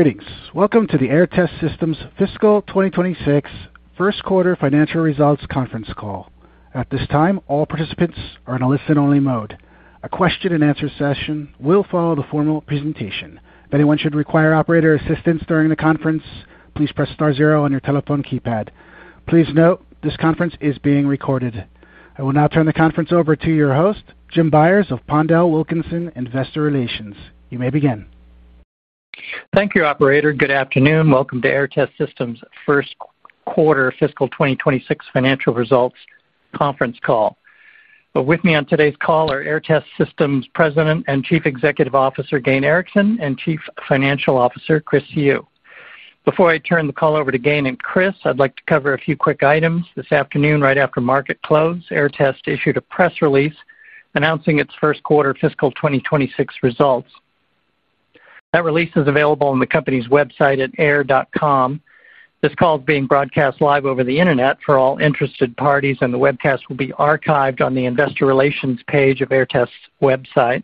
Thanks. Welcome to the Aehr Test Systems fiscal 2026 first quarter financial results conference call. At this time, all participants are in a listen-only mode. A question and answer session will follow the formal presentation. If anyone should require operator assistance during the conference, please press star zero on your telephone keypad. Please note this conference is being recorded. I will now turn the conference over to your host, Jim Byers of Pondell Wilkinson Investor Relations. You may begin. Thank you, Operator. Good afternoon. Welcome to Aehr Test Systems' first quarter fiscal 2026 financial results conference call. With me on today's call are Aehr Test Systems' President and Chief Executive Officer, Gayn Erickson, and Chief Financial Officer, Chris Siu. Before I turn the call over to Gayn and Chris, I'd like to cover a few quick items. This afternoon, right after market close, Aehr Test issued a press release announcing its first quarter fiscal 2026 results. That release is available on the company's website at aehr.com. This call is being broadcast live over the internet for all interested parties, and the webcast will be archived on the Investor Relations page of Aehr Test's website.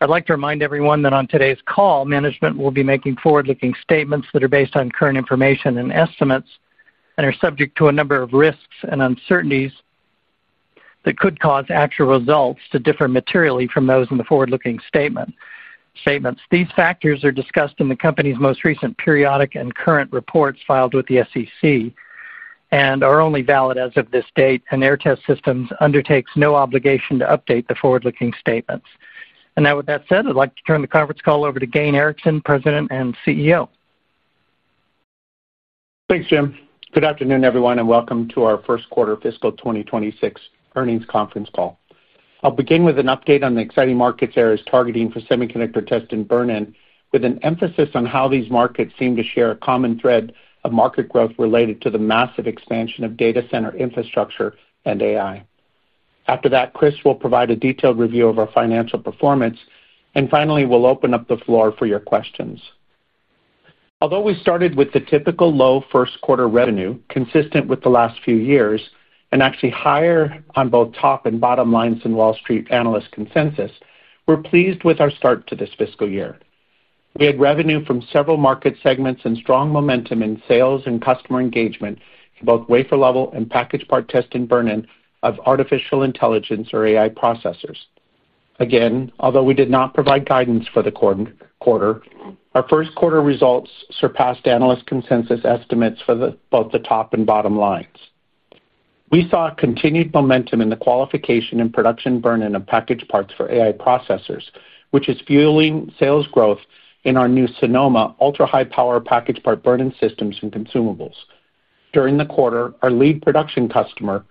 I'd like to remind everyone that on today's call, management will be making forward-looking statements that are based on current information and estimates and are subject to a number of risks and uncertainties that could cause actual results to differ materially from those in the forward-looking statements. These factors are discussed in the company's most recent periodic and current reports filed with the SEC and are only valid as of this date. Aehr Test Systems undertakes no obligation to update the forward-looking statements. With that said, I'd like to turn the conference call over to Gayn Erickson, President and CEO. Thanks, Jim. Good afternoon, everyone, and welcome to our first quarter fiscal 2026 earnings conference call. I'll begin with an update on the exciting markets Aehr Test Systems is targeting for semiconductor test and burn-in, with an emphasis on how these markets seem to share a common thread of market growth related to the massive expansion of data center infrastructure and AI. After that, Chris will provide a detailed review of our financial performance, and finally, we'll open up the floor for your questions. Although we started with the typical low first quarter revenue, consistent with the last few years and actually higher on both top and bottom lines in Wall Street analyst consensus, we're pleased with our start to this fiscal year. We had revenue from several market segments and strong momentum in sales and customer engagement, both wafer-level and packaged part test and burn-in of artificial intelligence or AI processors. Although we did not provide guidance for the quarter, our first quarter results surpassed analyst consensus estimates for both the top and bottom lines. We saw continued momentum in the qualification and production burn-in of packaged parts for AI processors, which is fueling sales growth in our new Sonoma ultra-high-power packaged part burn-in systems and consumables. During the quarter, our lead production customer,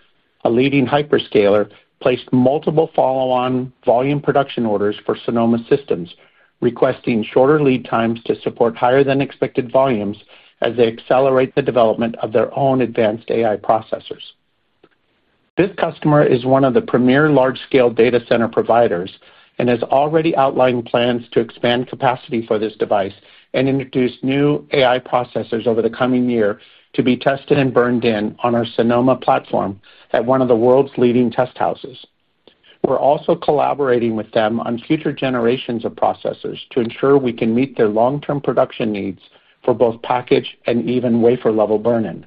a leading hyperscaler, placed multiple follow-on volume production orders for Sonoma systems, requesting shorter lead times to support higher than expected volumes as they accelerate the development of their own advanced AI processors. This customer is one of the premier large-scale data center providers and has already outlined plans to expand capacity for this device and introduce new AI processors over the coming year to be tested and burned in on our Sonoma platform at one of the world's leading test houses. We're also collaborating with them on future generations of processors to ensure we can meet their long-term production needs for both packaged and even wafer-level burn-in.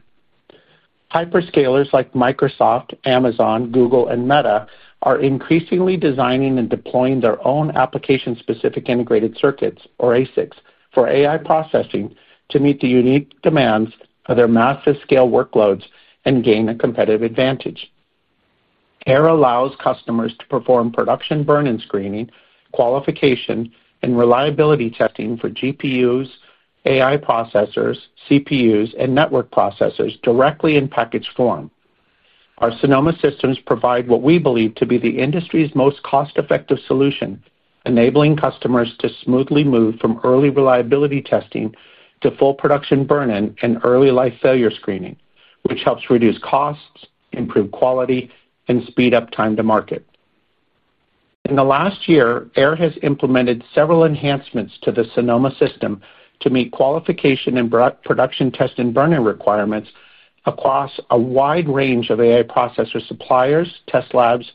Hyperscalers like Microsoft, Amazon, Google, and Meta are increasingly designing and deploying their own application-specific integrated circuits, or ASICs, for AI processing to meet the unique demands of their massive scale workloads and gain a competitive advantage. Aehr allows customers to perform production burn-in screening, qualification, and reliability testing for GPUs, AI processors, CPUs, and network processors directly in packaged form. Our Sonoma Systems provide what we believe to be the industry's most cost-effective solution, enabling customers to smoothly move from early reliability testing to full production burn-in and early-life failure screening, which helps reduce costs, improve quality, and speed up time to market. In the last year, Aehr has implemented several enhancements to the Sonoma System to meet qualification and production test and burn-in requirements across a wide range of AI processor suppliers, test labs,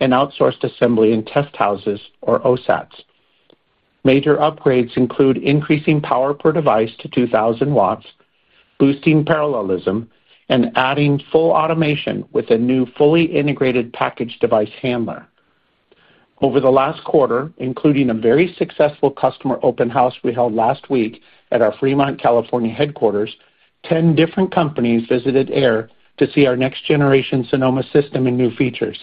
and outsourced assembly and test houses, or OSATs. Major upgrades include increasing power per device to 2,000 watts, boosting parallelism, and adding full automation with a new fully integrated packaged device handler. Over the last quarter, including a very successful customer open house we held last week at our Fremont, California, headquarters, 10 different companies visited Aehr to see our next-generation Sonoma System and new features,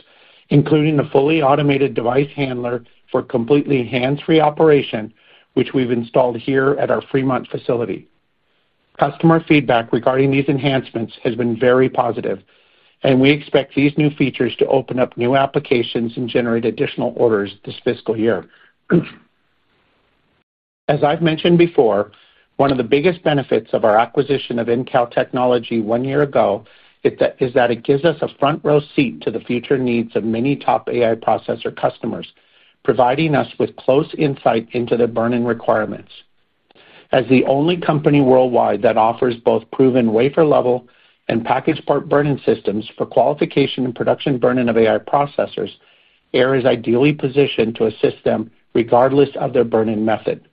including a fully automated device handler for completely hands-free operation, which we've installed here at our Fremont facility. Customer feedback regarding these enhancements has been very positive, and we expect these new features to open up new applications and generate additional orders this fiscal year. As I've mentioned before, one of the biggest benefits of our acquisition of InCal Technology one year ago is that it gives us a front-row seat to the future needs of many top AI processor customers, providing us with close insight into their burn-in requirements. As the only company worldwide that offers both proven wafer-level and packaged part burn-in systems for qualification and production burn-in of AI processors, Aehr is ideally positioned to assist them regardless of their burn-in method.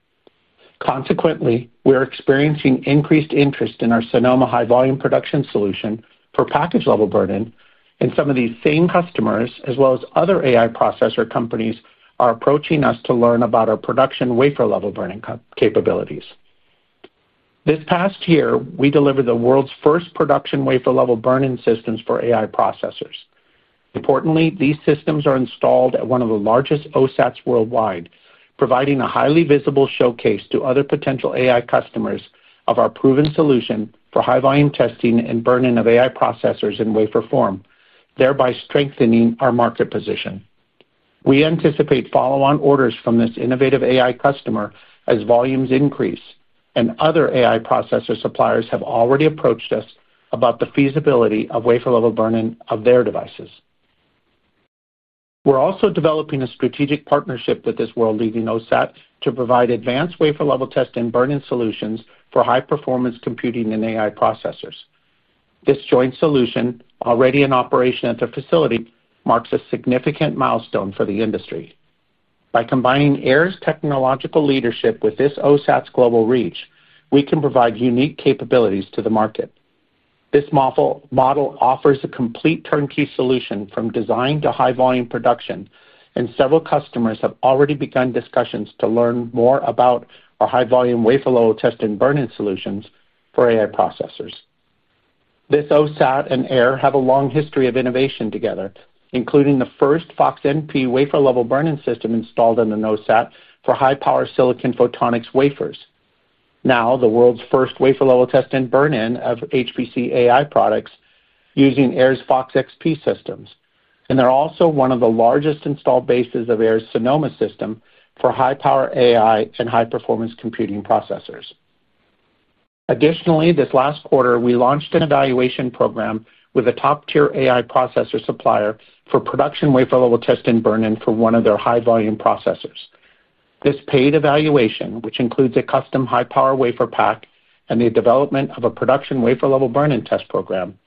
Consequently, we're experiencing increased interest in our Sonoma high-volume production solution for packaged-level burn-in, and some of these same customers, as well as other AI processor companies, are approaching us to learn about our production wafer-level burn-in capabilities. This past year, we delivered the world's first production wafer-level burn-in systems for AI processors. Importantly, these systems are installed at one of the largest OSATs worldwide, providing a highly visible showcase to other potential AI customers of our proven solution for high-volume testing and burn-in of AI processors in wafer form, thereby strengthening our market position. We anticipate follow-on orders from this innovative AI customer as volumes increase, and other AI processor suppliers have already approached us about the feasibility of wafer-level burn-in of their devices. We're also developing a strategic partnership with this world-leading OSAT to provide advanced wafer-level test and burn-in solutions for high-performance computing and AI processors. This joint solution, already in operation at the facility, marks a significant milestone for the industry. By combining Aehr Test Systems' technological leadership with this OSAT's global reach, we can provide unique capabilities to the market. This model offers a complete turnkey solution from design to high-volume production, and several customers have already begun discussions to learn more about our high-volume wafer-level test and burn-in solutions for AI processors. This OSAT and Aehr have a long history of innovation together, including the first FoxXP wafer-level burn-in system installed in an OSAT for high-power silicon photonics wafers. Now, the world's first wafer-level test and burn-in of HPC AI products using Aehr FoxXP systems, and they're also one of the largest installed bases of Aehr Sonoma system for high-power AI and high-performance computing processors. Additionally, this last quarter, we launched an evaluation program with a top-tier AI processor supplier for production wafer-level test and burn-in for one of their high-volume processors. This paid evaluation, which includes a custom high-power wafer pack and the development of a production wafer-level burn-in test program,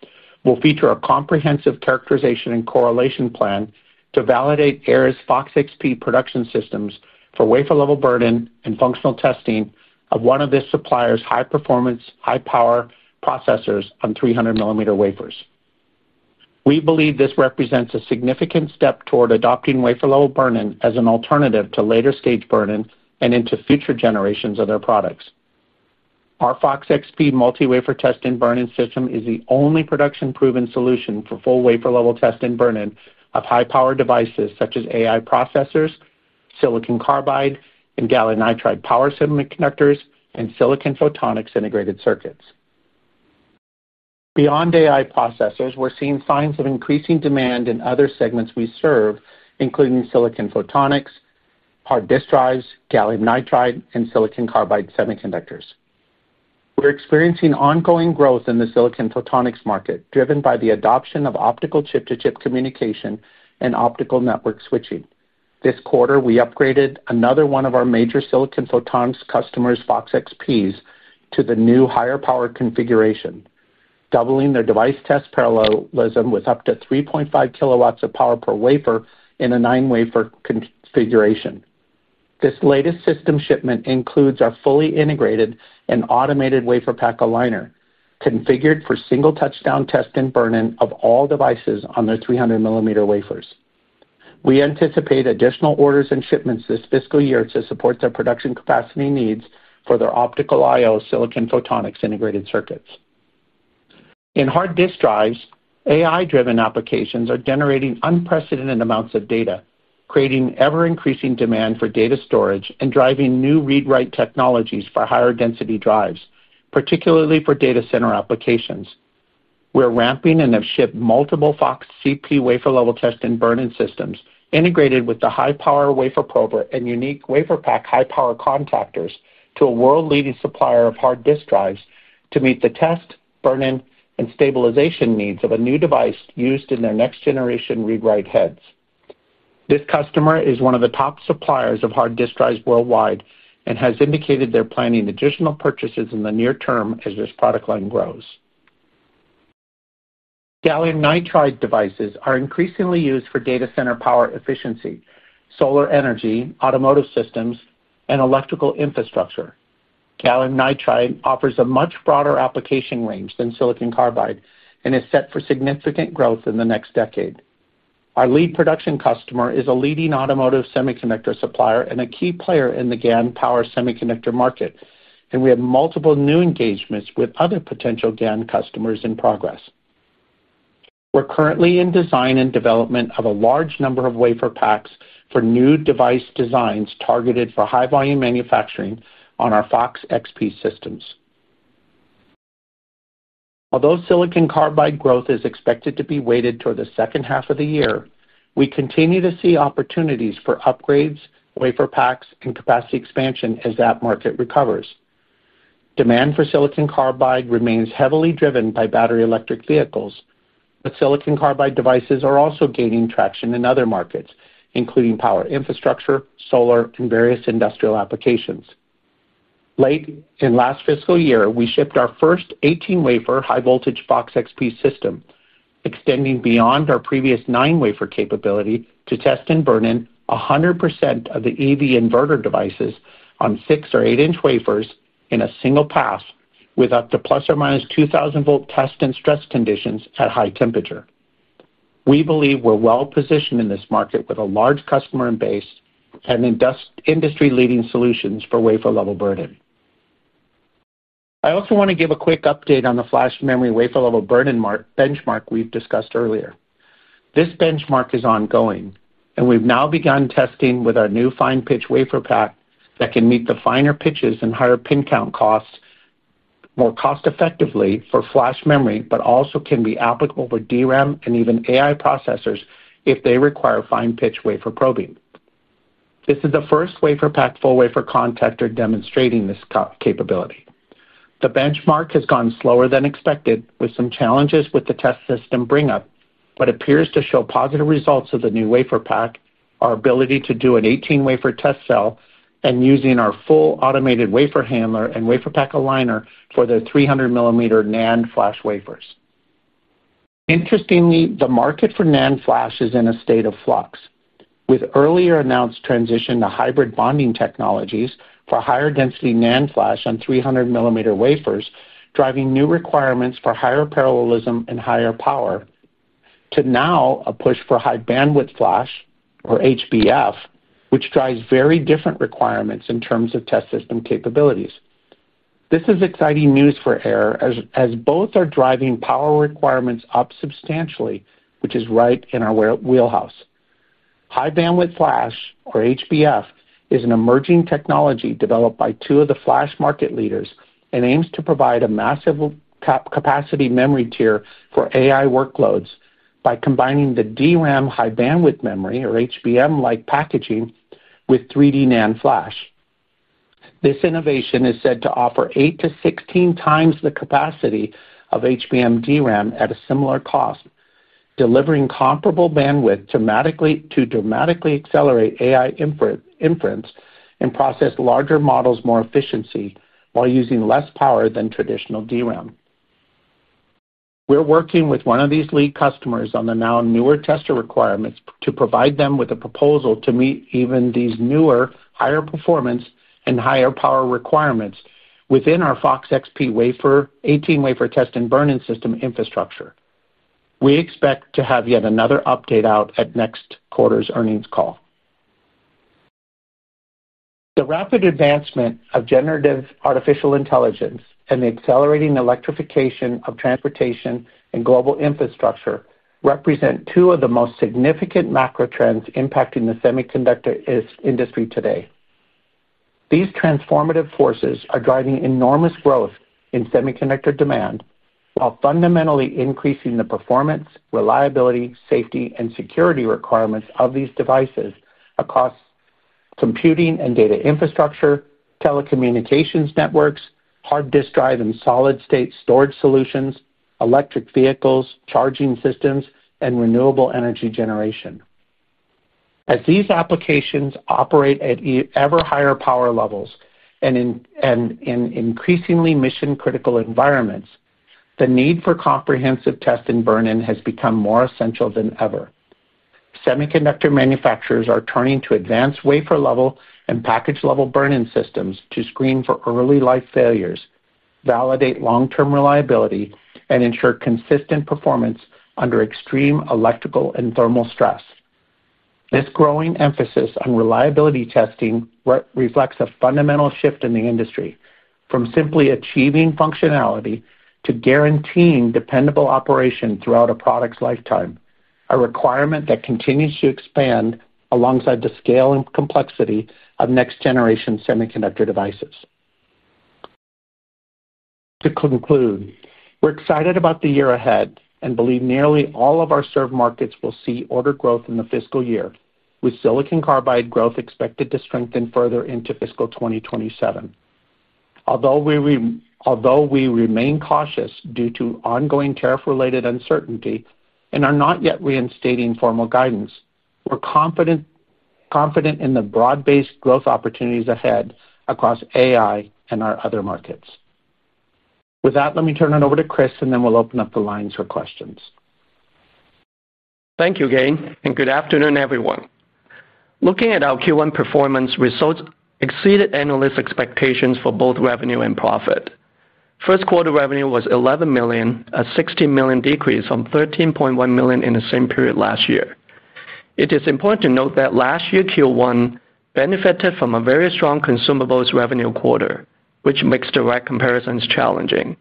will feature a comprehensive characterization and correlation plan to validate Aehr Test Systems' FoxXP production systems for wafer-level burn-in and functional testing of one of this supplier's high-performance, high-power processors on 300-millimeter wafers. We believe this represents a significant step toward adopting wafer-level burn-in as an alternative to later-stage burn-in and into future generations of their products. Our FoxXP multi-wafer test and burn-in system is the only production-proven solution for full wafer-level test and burn-in of high-power devices such as AI processors, silicon carbide, and gallium nitride power semiconductors, and silicon photonics integrated circuits. Beyond AI processors, we're seeing signs of increasing demand in other segments we serve, including silicon photonics, hard disk drives, gallium nitride, and silicon carbide semiconductors. We're experiencing ongoing growth in the silicon photonics market, driven by the adoption of optical chip-to-chip communication and optical network switching. This quarter, we upgraded another one of our major silicon photonics customers' FoxXP systems to the new higher-power configuration, doubling their device test parallelism with up to 3.5 kilowatts of power per wafer in a nine-wafer configuration. This latest system shipment includes our fully integrated and automated wafer pack aligner, configured for single touchdown test and burn-in of all devices on their 300-millimeter wafers. We anticipate additional orders and shipments this fiscal year to support their production capacity needs for their optical I/O silicon photonics integrated circuits. In hard disk drives, AI-driven applications are generating unprecedented amounts of data, creating ever-increasing demand for data storage and driving new read/write technologies for higher density drives, particularly for data center applications. We're ramping and have shipped multiple FoxXP wafer-level test and burn-in systems integrated with the high-power wafer probe and unique wafer pack high-power contactors to a world-leading supplier of hard disk drives to meet the test, burn-in, and stabilization needs of a new device used in their next-generation read/write heads. This customer is one of the top suppliers of hard disk drives worldwide and has indicated they're planning additional purchases in the near term as this product line grows. Gallium nitride devices are increasingly used for data center power efficiency, solar energy, automotive systems, and electrical infrastructure. Gallium nitride offers a much broader application range than silicon carbide and is set for significant growth in the next decade. Our lead production customer is a leading automotive semiconductor supplier and a key player in the GaN power semiconductor market, and we have multiple new engagements with other potential GaN customers in progress. We're currently in design and development of a large number of wafer packs for new device designs targeted for high-volume manufacturing on our FoxXP systems. Although silicon carbide growth is expected to be weighted toward the second half of the year, we continue to see opportunities for upgrades, wafer packs, and capacity expansion as that market recovers. Demand for silicon carbide remains heavily driven by battery electric vehicles, but silicon carbide devices are also gaining traction in other markets, including power infrastructure, solar, and various industrial applications. Late in last fiscal year, we shipped our first 18-wafer high-voltage FoxXP system, extending beyond our previous nine-wafer capability to test and burn-in 100% of the EV inverter devices on six or eight-inch wafers in a single pass with up to plus or minus 2,000 volt test and stress conditions at high temperature. We believe we're well positioned in this market with a large customer base and industry-leading solutions for wafer-level burn-in. I also want to give a quick update on the flash memory wafer-level burn-in benchmark we've discussed earlier. This benchmark is ongoing, and we've now begun testing with our new fine-pitch wafer pack that can meet the finer pitches and higher pin count costs more cost-effectively for flash memory, but also can be applicable for DRAM and even AI processors if they require fine-pitch wafer probing. This is the first wafer pack full-wafer contactor demonstrating this capability. The benchmark has gone slower than expected, with some challenges with the test system bring-up, but appears to show positive results of the new wafer pack, our ability to do an 18-wafer test cell, and using our full automated wafer handler and wafer pack aligner for the 300-millimeter NAND flash wafers. Interestingly, the market for NAND flash is in a state of flux, with earlier announced transition to hybrid bonding technologies for higher-density NAND flash on 300-millimeter wafers, driving new requirements for higher parallelism and higher power, to now a push for high-bandwidth flash, or HBF, which drives very different requirements in terms of test system capabilities. This is exciting news for Aehr, as both are driving power requirements up substantially, which is right in our wheelhouse. High-bandwidth flash, or HBF, is an emerging technology developed by two of the flash market leaders and aims to provide a massive capacity memory tier for AI workloads by combining the DRAM high-bandwidth memory, or HBM-like packaging, with 3D NAND flash. This innovation is said to offer 8 to 16 times the capacity of HBM DRAM at a similar cost, delivering comparable bandwidth to dramatically accelerate AI inference and process larger models more efficiently while using less power than traditional DRAM. We're working with one of these lead customers on the now newer tester requirements to provide them with a proposal to meet even these newer, higher performance, and higher power requirements within our FoxXP wafer 18-wafer test and burn-in system infrastructure. We expect to have yet another update out at next quarter's earnings call. The rapid advancement of generative artificial intelligence and the accelerating electrification of transportation and global infrastructure represent two of the most significant macro trends impacting the semiconductor industry today. These transformative forces are driving enormous growth in semiconductor demand, while fundamentally increasing the performance, reliability, safety, and security requirements of these devices across computing and data infrastructure, telecommunications networks, hard disk drive and solid-state storage solutions, electric vehicles, charging systems, and renewable energy generation. As these applications operate at ever higher power levels and in increasingly mission-critical environments, the need for comprehensive test and burn-in has become more essential than ever. Semiconductor manufacturers are turning to advanced wafer-level and packaged-level burn-in systems to screen for early-life failures, validate long-term reliability, and ensure consistent performance under extreme electrical and thermal stress. This growing emphasis on reliability testing reflects a fundamental shift in the industry, from simply achieving functionality to guaranteeing dependable operation throughout a product's lifetime, a requirement that continues to expand alongside the scale and complexity of next-generation semiconductor devices. To conclude, we're excited about the year ahead and believe nearly all of our serve markets will see order growth in the fiscal year, with silicon carbide growth expected to strengthen further into fiscal 2027. Although we remain cautious due to ongoing tariff-related uncertainty and are not yet reinstating formal guidance, we're confident in the broad-based growth opportunities ahead across AI and our other markets. With that, let me turn it over to Chris, and then we'll open up the lines for questions. Thank you, Gayn, and good afternoon, everyone. Looking at our Q1 performance, results exceeded analysts' expectations for both revenue and profit. First quarter revenue was $11 million, a $2.1 million decrease from $13.1 million in the same period last year. It is important to note that last year Q1 benefited from a very strong consumables revenue quarter, which makes direct comparisons challenging.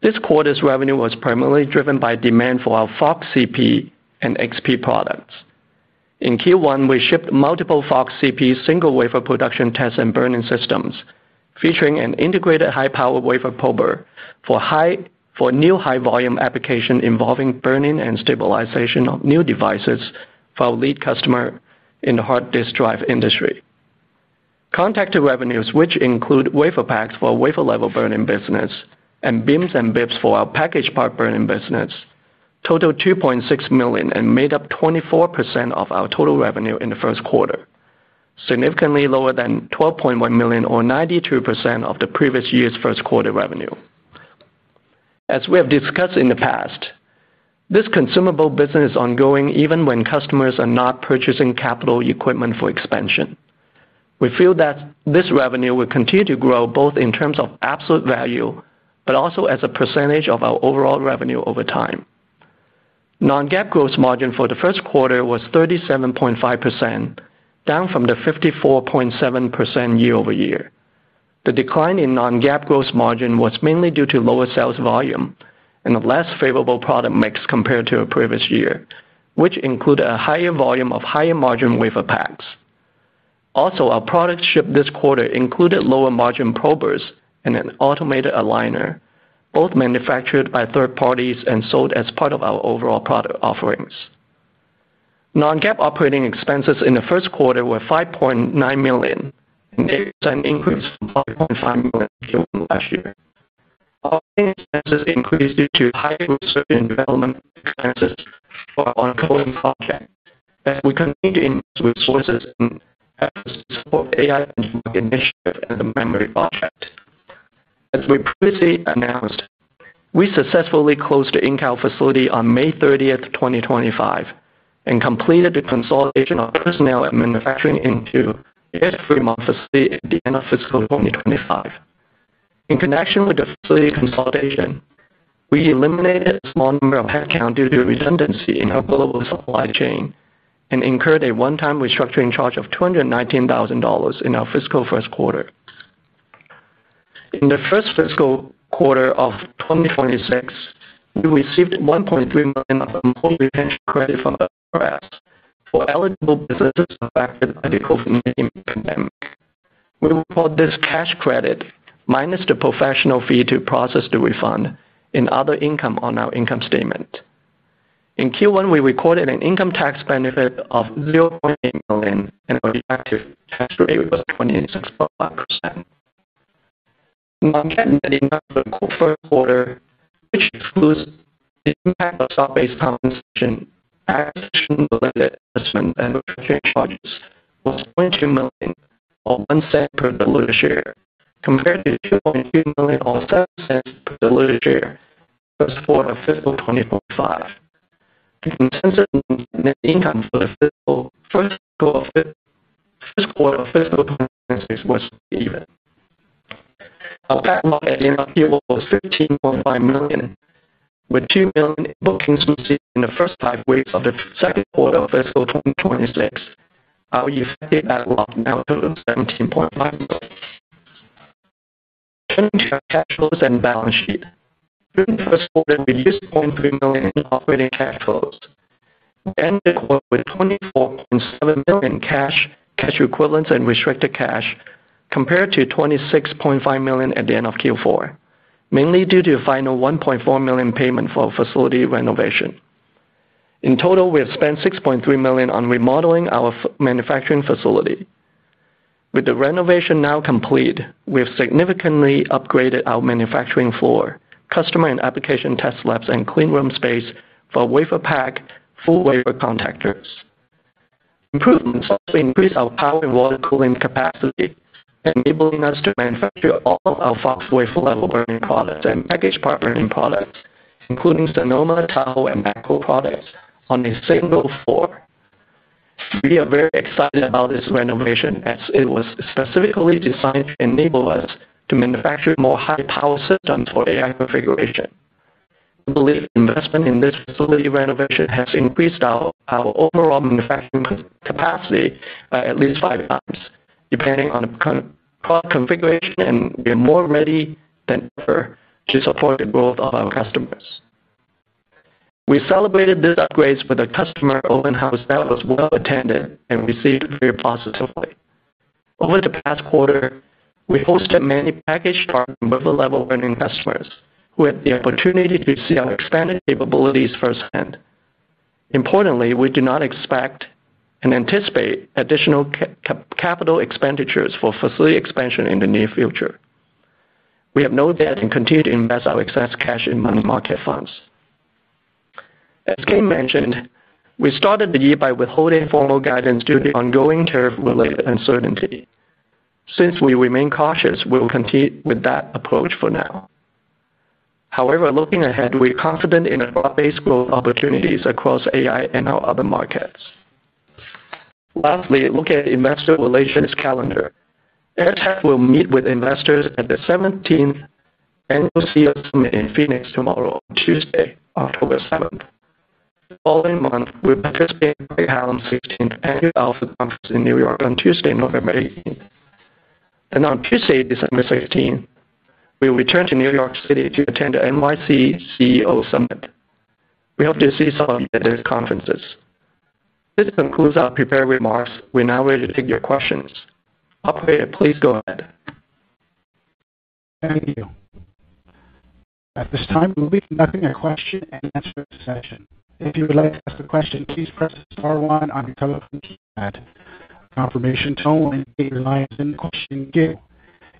This quarter's revenue was primarily driven by demand for our FoxXP and FoxCP products. In Q1, we shipped multiple FoxCP single-wafer production test and burn-in systems, featuring an integrated high-power wafer probe for new high-volume application involving burn-in and stabilization of new devices for our lead customer in the hard disk drive industry. Contactor revenues, which include wafer packs for wafer-level burn-in business and BIMs and BIPs for our packaged part burn-in business, totaled $2.6 million and made up 24% of our total revenue in the first quarter, significantly lower than $12.1 million or 92% of the previous year's first quarter revenue. As we have discussed in the past, this consumables business is ongoing even when customers are not purchasing capital equipment for expansion. We feel that this revenue will continue to grow both in terms of absolute value, but also as a percentage of our overall revenue over time. Non-GAAP gross margin for the first quarter was 37.5%, down from 54.7% year-over-year. The decline in non-GAAP gross margin was mainly due to lower sales volume and a less favorable product mix compared to the previous year, which included a higher volume of higher margin wafer packs. Also, our products shipped this quarter included lower margin probers and an automated aligner, both manufactured by third parties and sold as part of our overall product offerings. Non-GAAP operating expenses in the first quarter were $5.9 million, an 8% increase from $5.5 million in Q1 last year. Our operating expenses increased due to high boosts in development expenses for our ongoing project, as we continue to improve sources and support AI in the initiative and the memory project. As we previously announced, we successfully closed the InCal facility on May 30, 2023, and completed the consolidation of personnel and manufacturing into our Fremont, California facility at the end of fiscal 2023. In connection with the facility consolidation, we eliminated a small number of headcount due to redundancy in our global supply chain and incurred a one-time restructuring charge of $219,000 in our fiscal first quarter. In the first fiscal quarter of 2026, we received $1.3 million of employee retention credit from the IRS for eligible businesses affected by the COVID-19 pandemic. We will call this cash credit minus the professional fee to process the refund and other income on our income statement. In Q1, we recorded an income tax benefit of $0.8 million, and our effective tax rate was 0.875%. The non-GAAP net income for the first quarter, which includes the impact of stock-based compensation, and the first and related assessment and retention charges, was $0.3 million or $0.01 per share, compared to $2.2 million or $0.07 per share for the first quarter of fiscal 2025. The consensus net income for fiscal 2026 was even. Our backlog at the end of Q1 was $15.5 million, with $2 million net bookings received in the first five weeks of the second quarter of fiscal 2026. Our year-to-date backlog now totals $17.5 million. Turning to our cash flows and balance sheet, during the first quarter, we used $0.3 million in operating cash flows, ended with $24.7 million cash, cash equivalents, and restricted cash, compared to $26.5 million at the end of Q4, mainly due to the final $1.4 million payment for facility renovation. In total, we have spent $6.3 million on remodeling our manufacturing facility. With the renovation now complete, we have significantly upgraded our manufacturing floor, customer and application test labs, and clean room space for wafer pack full-wafer contactors. Improvements have increased our power and water cooling capacity, enabling us to manufacture all our Fox wafer-level burn-in products and packaged part burn-in products, including Sonoma, towel, and medical products, on a single floor. We are very excited about this renovation, as it was specifically designed to enable us to manufacture more high-power systems for AI configuration. We believe investment in this facility renovation has increased our overall manufacturing capacity by at least five times, depending on the current cloud configuration, and we are more ready than ever to support the growth of our customers. We celebrated these upgrades with a customer open house that was well attended and received very positive support. Over the past quarter, we hosted many packaged part and wafer-level burn-in customers who had the opportunity to see our expanded capabilities firsthand. Importantly, we do not expect and anticipate additional capital expenditures for facility expansion in the near future. We have no debt and continue to invest our excess cash in money market funds. As Gayn mentioned, we started the year by withholding formal guidance due to ongoing tariff-related uncertainty. Since we remain cautious, we will continue with that approach for now. However, looking ahead, we are confident in our broad-based growth opportunities across AI and our other markets. Lastly, look at the Investor Relations calendar. Aehr will meet with investors at the 17th annual CES Summit in Phoenix tomorrow, Tuesday, October 7th. The following month, we're participating in Whitehall on the 16th annual Alpha Conference in New York on Tuesday, November 18th. On Tuesday, December 16th, we'll return to New York City to attend the NYC CEO Summit. We hope to see some of you at those conferences. This concludes our prepared remarks. We're now ready to take your questions. Operator, please go ahead. Thank you. At this time, we'll be conducting a question and answer session. If you would like to ask a question, please press star one on your telephone keypad. A confirmation tone will indicate your line is in the question queue.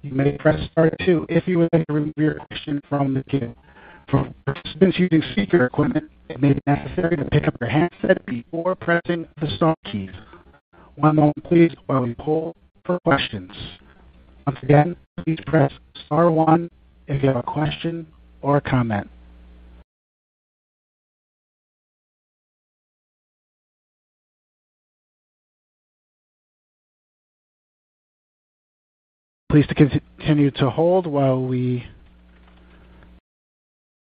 You may press star two if you would like to remove your question from the queue. For participants using speaker equipment, it may be necessary to pick up your headset before pressing the star keys. One moment, please, while we poll for questions. Once again, please press star one if you have a question or a comment. Please continue to hold while we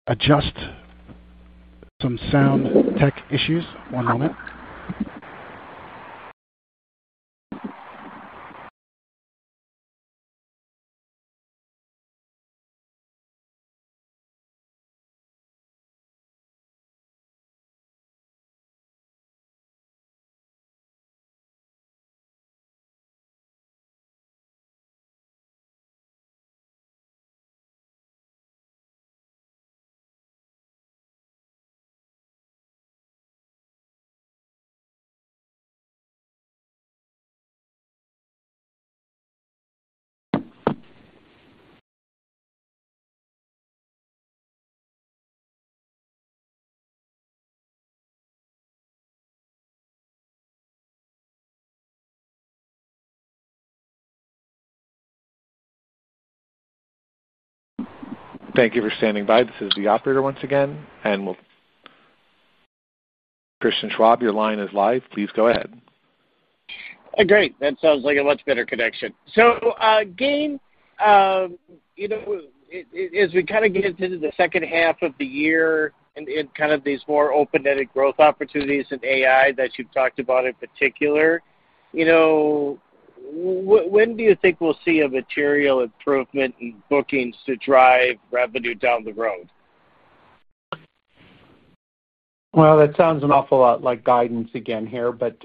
adjust some sound tech issues. One moment. Thank you for standing by. This is the operator once again, and we'll... Christian Schwab, your line is live. Please go ahead. Great, that sounds like a much better connection. Gayn, as we get into the second half of the year and these more open-ended growth opportunities in AI that you've talked about in particular, when do you think we'll see a material improvement in bookings to drive revenue down the road? That sounds an awful lot like guidance again here, but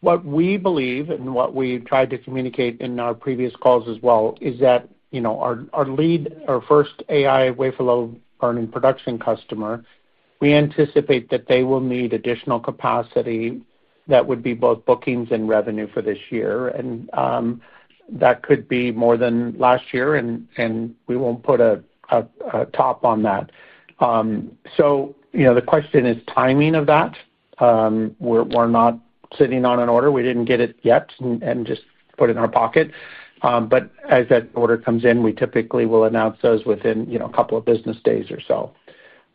what we believe and what we've tried to communicate in our previous calls as well is that our lead, our first AI wafer-level burn-in production customer, we anticipate that they will need additional capacity that would be both bookings and revenue for this year, and that could be more than last year, and we won't put a top on that. The question is timing of that. We're not sitting on an order. We didn't get it yet and just put it in our pocket. As that order comes in, we typically will announce those within a couple of business days or so.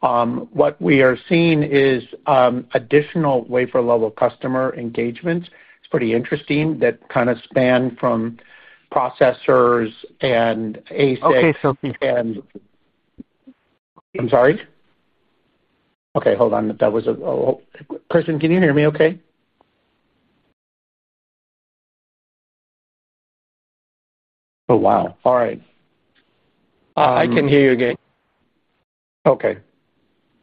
What we are seeing is additional wafer-level customer engagements. It's pretty interesting that kind of span from processors and ASICs. Okay, can you... I'm sorry. Okay, hold on. Chris, can you hear me okay? Oh, wow. All right. I can hear you again.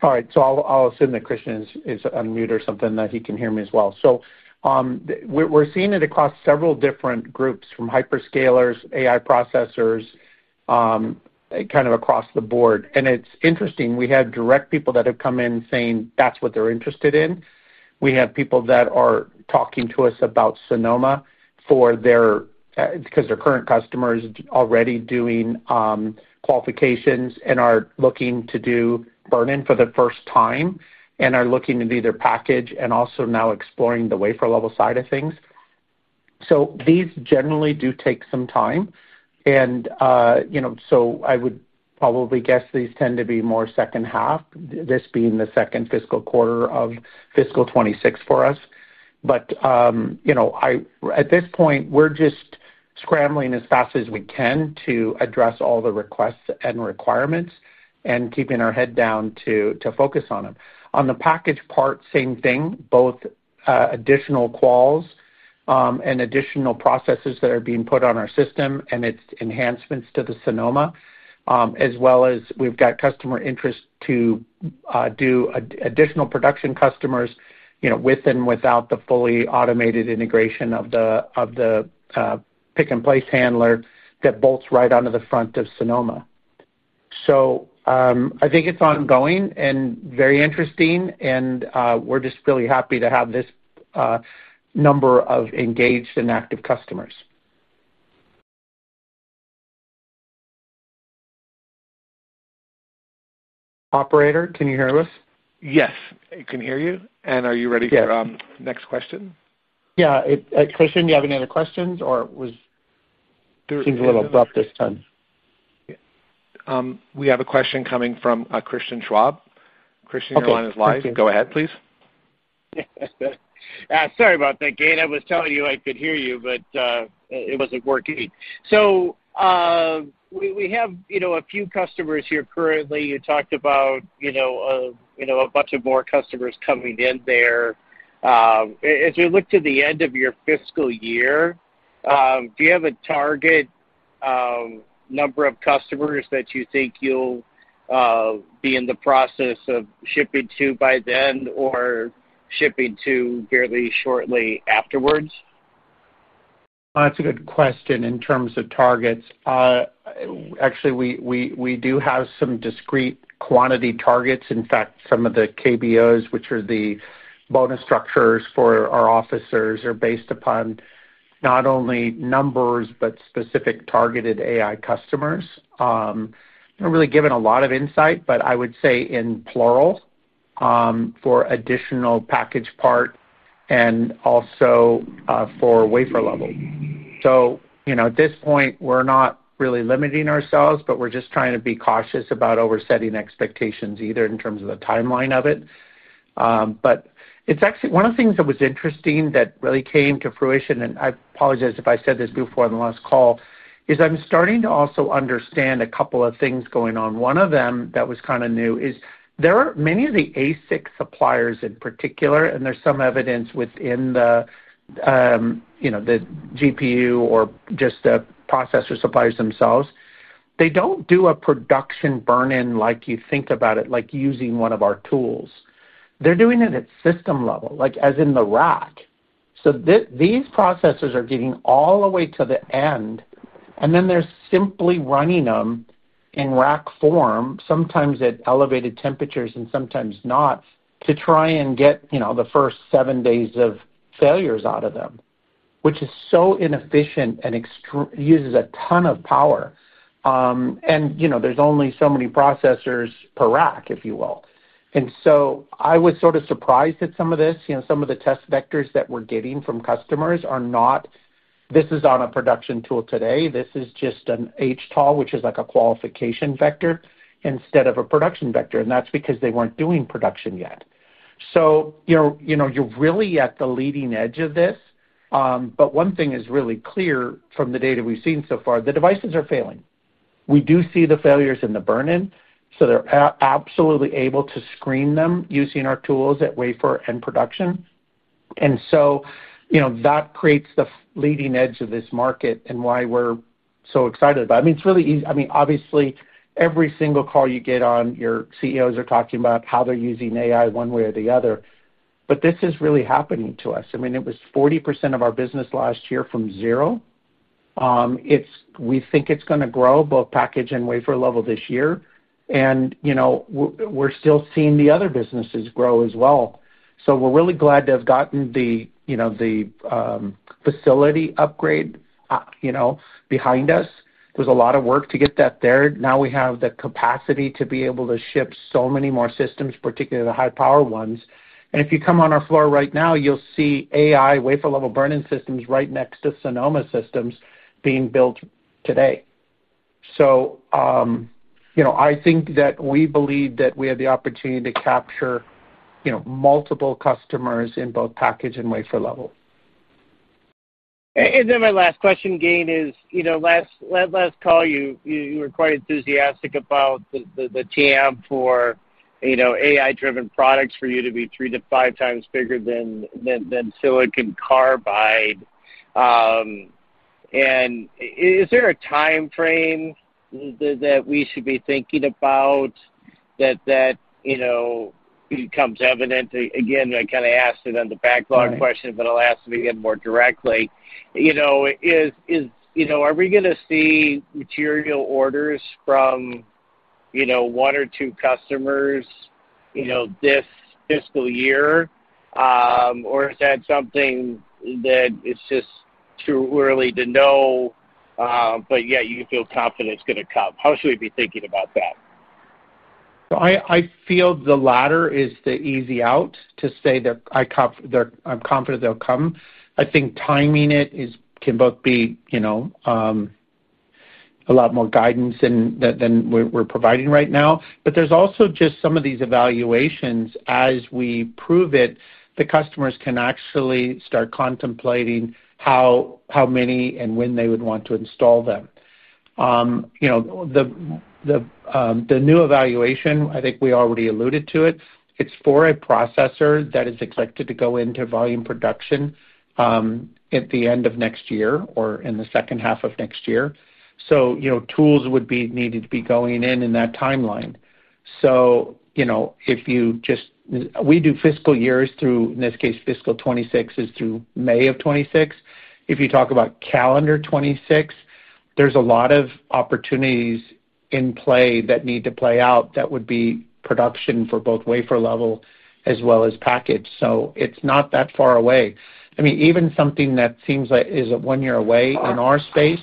All right. I'll assume that Christian is unmute or something that he can hear me as well. We're seeing it across several different groups from hyperscalers, AI processors, kind of across the board. It's interesting. We have direct people that have come in saying that's what they're interested in. We have people that are talking to us about Sonoma because their current customer is already doing qualifications and are looking to do burn-in for the first time and are looking at either package and also now exploring the wafer-level side of things. These generally do take some time. I would probably guess these tend to be more second half, this being the second fiscal quarter of fiscal 2026 for us. At this point, we're just scrambling as fast as we can to address all the requests and requirements and keeping our head down to focus on them. On the packaged part, same thing, both additional qualls and additional processors that are being put on our system and its enhancements to the Sonoma, as well as we've got customer interest to do additional production customers, with and without the fully automated integration of the pick and place handler that bolts right onto the front of Sonoma. I think it's ongoing and very interesting, and we're just really happy to have this number of engaged and active customers. Operator, can you hear us? Yes, I can hear you. Are you ready for the next question? Yeah. Chris, do you have any other questions, or was... It seems a little abrupt this time. We have a question coming from Christian Schwab. Christian is live. Go ahead, please. Sorry about that, Gayn. I was telling you I could hear you, but it wasn't working. We have a few customers here currently. You talked about a bunch of more customers coming in there. As we look to the end of your fiscal year, do you have a target number of customers that you think you'll be in the process of shipping to by then or shipping to fairly shortly afterwards? That's a good question in terms of targets. Actually, we do have some discrete quantity targets. In fact, some of the KBOs, which are the bonus structures for our officers, are based upon not only numbers, but specific targeted AI customers. They're really given a lot of insight, but I would say in plural, for additional packaged part and also for wafer level. At this point, we're not really limiting ourselves, but we're just trying to be cautious about oversetting expectations either in terms of the timeline of it. It's actually one of the things that was interesting that really came to fruition, and I apologize if I said this before in the last call, is I'm starting to also understand a couple of things going on. One of them that was kind of new is there are many of the ASIC suppliers in particular, and there's some evidence within the GPU or just the processor suppliers themselves. They don't do a production burn-in like you think about it, like using one of our tools. They're doing it at system level, like as in the rack. These processors are getting all the way to the end, and then they're simply running them in rack form, sometimes at elevated temperatures and sometimes not, to try and get the first seven days of failures out of them, which is so inefficient and uses a ton of power. There's only so many processors per rack, if you will. I was sort of surprised at some of this. Some of the test vectors that we're getting from customers are not, this is on a production tool today. This is just an HTOL, which is like a qualification vector, instead of a production vector. That's because they weren't doing production yet. You're really at the leading edge of this. One thing is really clear from the data we've seen so far, the devices are failing. We do see the failures in the burn-in, so they're absolutely able to screen them using our tools at wafer and production. That creates the leading edge of this market and why we're so excited about it. I mean, it's really easy. Obviously, every single call you get on, your CEOs are talking about how they're using AI one way or the other. This is really happening to us. It was 40% of our business last year from zero. We think it's going to grow both package and wafer level this year. We're still seeing the other businesses grow as well. We're really glad to have gotten the facility upgrade behind us. There was a lot of work to get that there. Now we have the capacity to be able to ship so many more systems, particularly the high-power ones. If you come on our floor right now, you'll see AI wafer-level burn-in systems right next to Sonoma systems being built today. I think that we believe that we have the opportunity to capture multiple customers in both package and wafer level. My last question, Gayn, is, last call, you were quite enthusiastic about the TAM for AI-driven products for you to be three to five times bigger than silicon carbide. Is there a timeframe that we should be thinking about that becomes evident? I kind of asked it on the backlog question, but I'll ask it again more directly. Are we going to see material orders from one or two customers this fiscal year, or is that something that it's just too early to know, but yet you feel confident it's going to come? How should we be thinking about that? I feel the latter is the easy out to say that I'm confident they'll come. I think timing can both be, you know, a lot more guidance than we're providing right now. There's also just some of these evaluations, as we prove it, the customers can actually start contemplating how many and when they would want to install them. The new evaluation, I think we already alluded to it, it's for a processor that is expected to go into volume production at the end of next year or in the second half of next year. Tools would be needed to be going in in that timeline. If you just, we do fiscal years through, in this case, fiscal 2026 is through May of 2026. If you talk about calendar 2026, there's a lot of opportunities in play that need to play out that would be production for both wafer level as well as packaged. It's not that far away. Even something that seems like is a one year away in our space,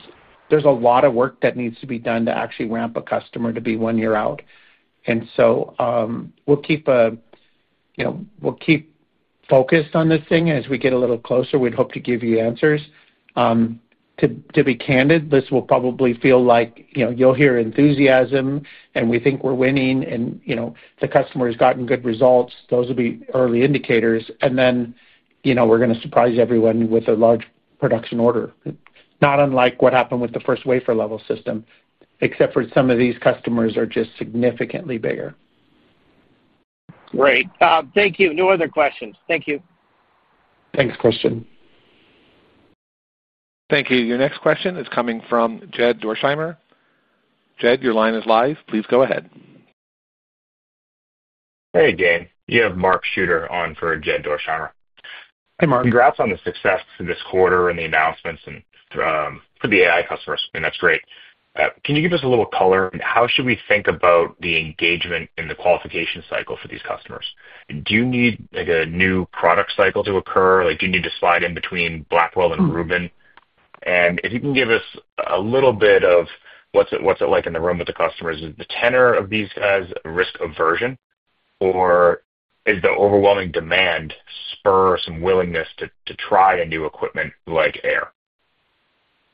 there's a lot of work that needs to be done to actually ramp a customer to be one year out. We'll keep focused on this thing as we get a little closer. We'd hope to give you answers. To be candid, this will probably feel like you'll hear enthusiasm and we think we're winning and the customer has gotten good results. Those will be early indicators. Then we're going to surprise everyone with a large production order, not unlike what happened with the first wafer-level burn-in system, except for some of these customers are just significantly bigger. Right. Thank you. No other questions. Thank you. Thanks, Christian. Thank you. Your next question is coming from Jed Dorsheimer. Jed, your line is live. Please go ahead. Hey, Gayn. You have Mark Schutter on for Jed Dorsheimer. Hey, Mark. Congrats on the success for this quarter and the announcements and for the AI customers, and that's great. Can you give us a little color? How should we think about the engagement in the qualification cycle for these customers? Do you need like a new product cycle to occur? Do you need to slide in between Blackwell and Rubin? If you can give us a little bit of what's it like in the room with the customers, is the tenor of these guys risk aversion, or is the overwhelming demand spur some willingness to try a new equipment like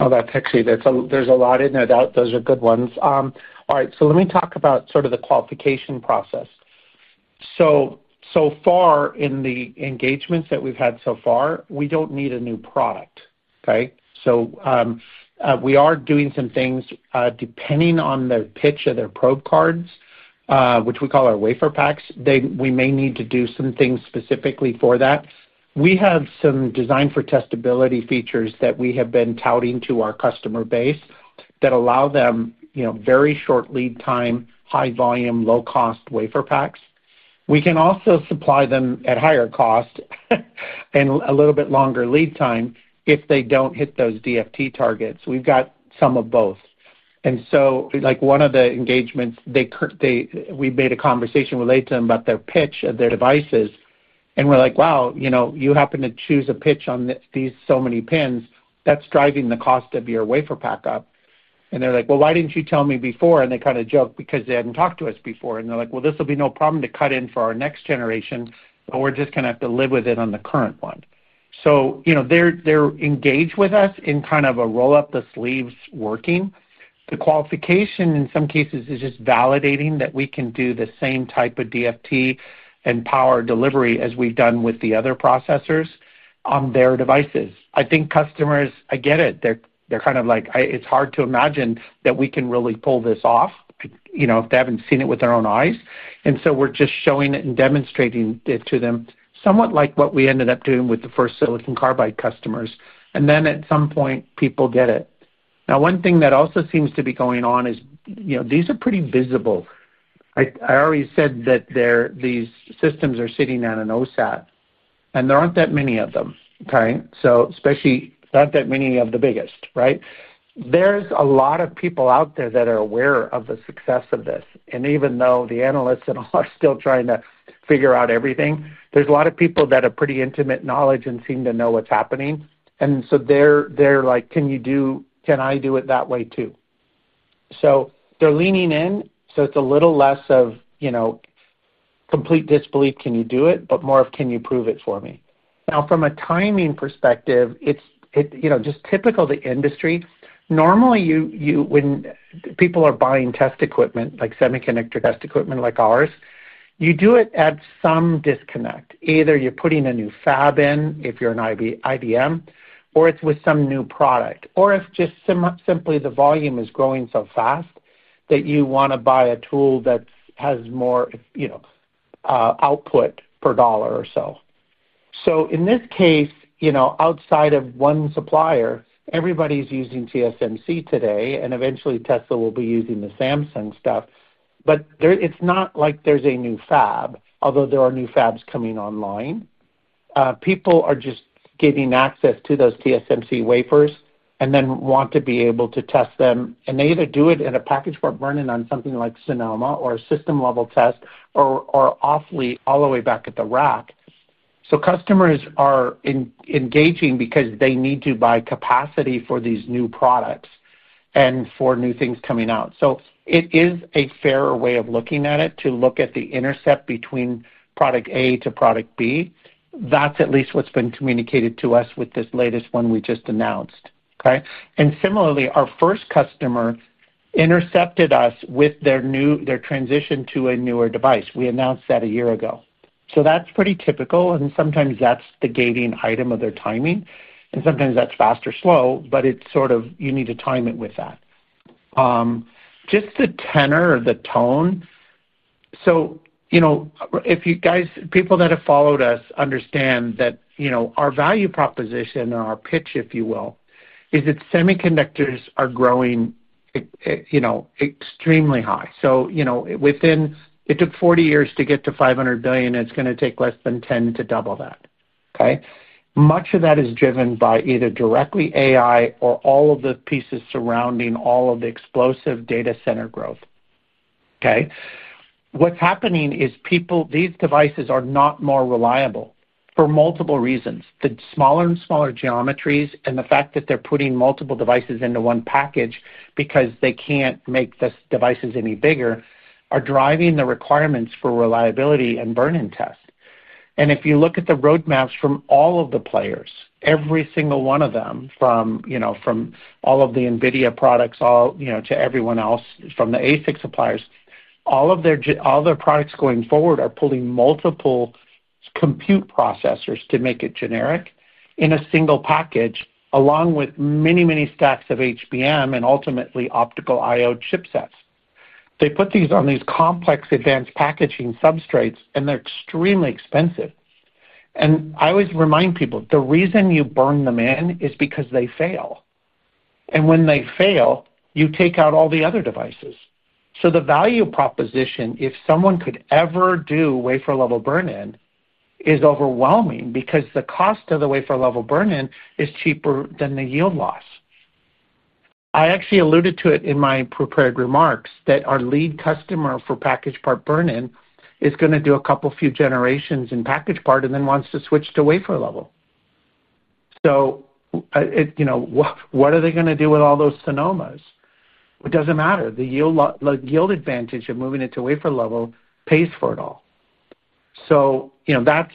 Aehr? There's a lot in there. Those are good ones. All right. Let me talk about sort of the qualification process. So far in the engagements that we've had so far, we don't need a new product. We are doing some things, depending on their pitch of their probe cards, which we call our wafer packs. We may need to do some things specifically for that. We have some design for testability features that we have been touting to our customer base that allow them very short lead time, high volume, low cost wafer packs. We can also supply them at higher cost and a little bit longer lead time if they don't hit those DFT targets. We've got some of both. Like one of the engagements, we made a conversation related to them about their pitch of their devices. We're like, wow, you happen to choose a pitch on these so many pins that's driving the cost of your wafer pack up. They're like, why didn't you tell me before? They kind of joked because they hadn't talked to us before. They're like, this will be no problem to cut in for our next generation, but we're just going to have to live with it on the current one. They're engaged with us in kind of a roll up the sleeves working. The qualification in some cases is just validating that we can do the same type of DFT and power delivery as we've done with the other processors on their devices. I think customers, I get it. They're kind of like, it's hard to imagine that we can really pull this off if they haven't seen it with their own eyes. We're just showing it and demonstrating it to them, somewhat like what we ended up doing with the first silicon carbide customers. At some point, people get it. One thing that also seems to be going on is these are pretty visible. I already said that these systems are sitting on an OSAT, and there aren't that many of them. Especially not that many of the biggest, right? There's a lot of people out there that are aware of the success of this. Even though the analysts and all are still trying to figure out everything, there's a lot of people that have pretty intimate knowledge and seem to know what's happening. They're like, can you do, can I do it that way too? They're leaning in. It's a little less of complete disbelief, can you do it, but more of can you prove it for me? Now, from a timing perspective, it's just typical of the industry. Normally, when people are buying test equipment, like semiconductor test equipment like ours, you do it at some disconnect. Either you're putting a new fab in if you're an IBM, or it's with some new product, or if simply the volume is growing so fast that you want to buy a tool that has more output per dollar or so. In this case, outside of one supplier, everybody's using TSMC today, and eventually Tesla will be using the Samsung stuff. It's not like there's a new fab, although there are new fabs coming online. People are just getting access to those TSMC wafers and then want to be able to test them. They either do it in a packaged part burn-in on something like Sonoma or a system-level test or all the way back at the rack. Customers are engaging because they need to buy capacity for these new products and for new things coming out. It is a fair way of looking at it to look at the intercept between product A to product B. That's at least what's been communicated to us with this latest one we just announced. Similarly, our first customer intercepted us with their transition to a newer device. We announced that a year ago. That's pretty typical, and sometimes that's the gating item of their timing. Sometimes that's fast or slow, but you need to time it with that, just the tenor of the tone. If you guys, people that have followed us, understand that our value proposition or our pitch, if you will, is that semiconductors are growing extremely high. Within, it took 40 years to get to $500 billion. It's going to take less than 10 to double that. Much of that is driven by either directly AI or all of the pieces surrounding all of the explosive data center growth. What's happening is people, these devices are not more reliable for multiple reasons. The smaller and smaller geometries and the fact that they're putting multiple devices into one package because they can't make the devices any bigger are driving the requirements for reliability and burn-in tests. If you look at the roadmaps from all of the players, every single one of them, from all of the NVIDIA products to everyone else from the ASIC suppliers, all their products going forward are pulling multiple compute processors to make it generic in a single package, along with many stacks of HBM and ultimately optical I/O chipsets. They put these on these complex advanced packaging substrates, and they're extremely expensive. I always remind people, the reason you burn them in is because they fail. When they fail, you take out all the other devices. The value proposition, if someone could ever do wafer-level burn-in, is overwhelming because the cost of the wafer-level burn-in is cheaper than the yield loss. I actually alluded to it in my prepared remarks that our lead customer for packaged part burn-in is going to do a couple few generations in packaged part and then wants to switch to wafer-level. What are they going to do with all those Sonomas? It doesn't matter. The yield advantage of moving it to wafer-level pays for it all. That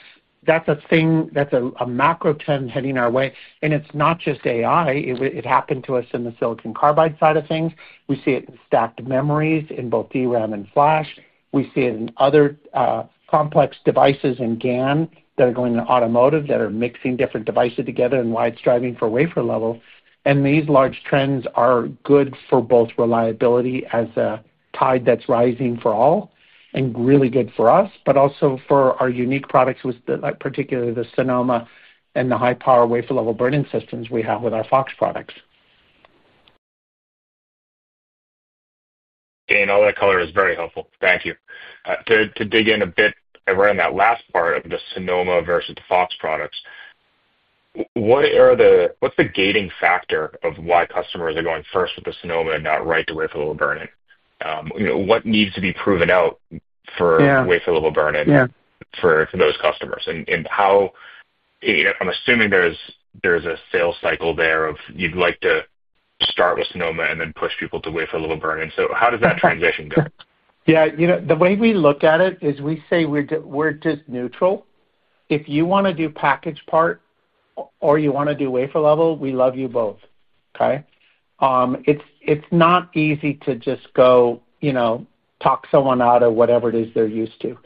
is a thing, that's a macro trend heading our way. It's not just AI. It happened to us in the silicon carbide side of things. We see it in stacked memories in both DRAM and flash. We see it in other complex devices and gallium nitride that are going to automotive that are mixing different devices together and why it's driving for wafer-level. These large trends are good for both reliability as a tide that's rising for all and really good for us, but also for our unique products, with particularly the Sonoma and the high-power wafer-level burn-in systems we have with our Fox products. Gayn, all that color is very helpful. Thank you. To dig in a bit around that last part of the Sonoma versus the Fox products, what are the, what's the gating factor of why customers are going first with the Sonoma and not right to wafer-level burn-in? What needs to be proven out for wafer-level burn-in for those customers? I'm assuming there's a sales cycle there of you'd like to start with Sonoma and then push people to wafer-level burn-in. How does that transition go? Yeah, you know, the way we look at it is we say we're just neutral. If you want to do packaged part or you want to do wafer-level, we love you both. It's not easy to just go, you know, talk someone out of whatever it is they're used to.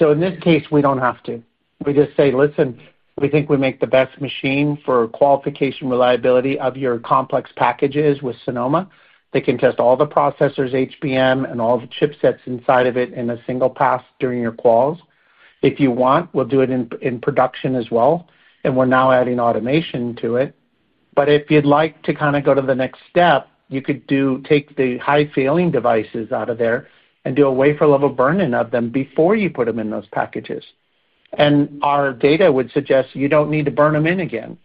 In this case, we don't have to. We just say, listen, we think we make the best machine for qualification reliability of your complex packages with Sonoma. They can test all the processors, HBM, and all the chipsets inside of it in a single pass during your qualls. If you want, we'll do it in production as well. We're now adding automation to it. If you'd like to kind of go to the next step, you could take the high-failing devices out of there and do a wafer-level burn-in of them before you put them in those packages. Our data would suggest you don't need to burn them in again.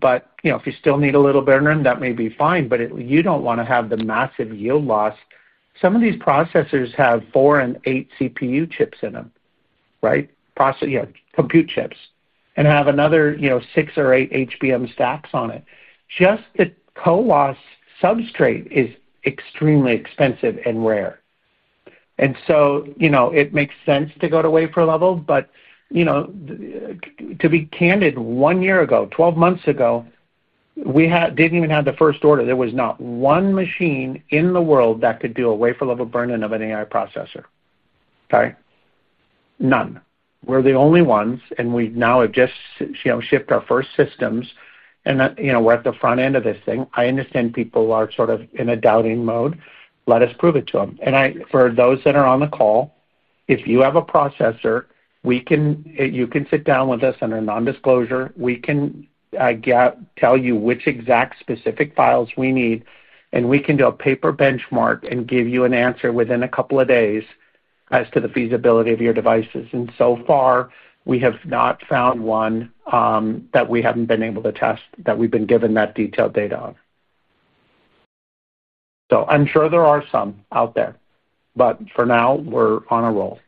If you still need a little burn-in, that may be fine, but you don't want to have the massive yield loss. Some of these processors have four and eight CPU chips in them, right? Process, you know, compute chips, and have another, you know, six or eight HBM stacks on it. Just the co-loss substrate is extremely expensive and rare. It makes sense to go to wafer-level. To be candid, one year ago, 12 months ago, we didn't even have the first order. There was not one machine in the world that could do a wafer-level burn-in of an AI processor. None. We're the only ones, and we now have just shipped our first systems, and you know, we're at the front end of this thing. I understand people are sort of in a doubting mode. Let us prove it to them. For those that are on the call, if you have a processor, we can, you can sit down with us under non-disclosure. We can, I guess, tell you which exact specific files we need, and we can do a paper benchmark and give you an answer within a couple of days as to the feasibility of your devices. So far, we have not found one that we haven't been able to test, that we've been given that detailed data on. I'm sure there are some out there, but for now, we're on a roll.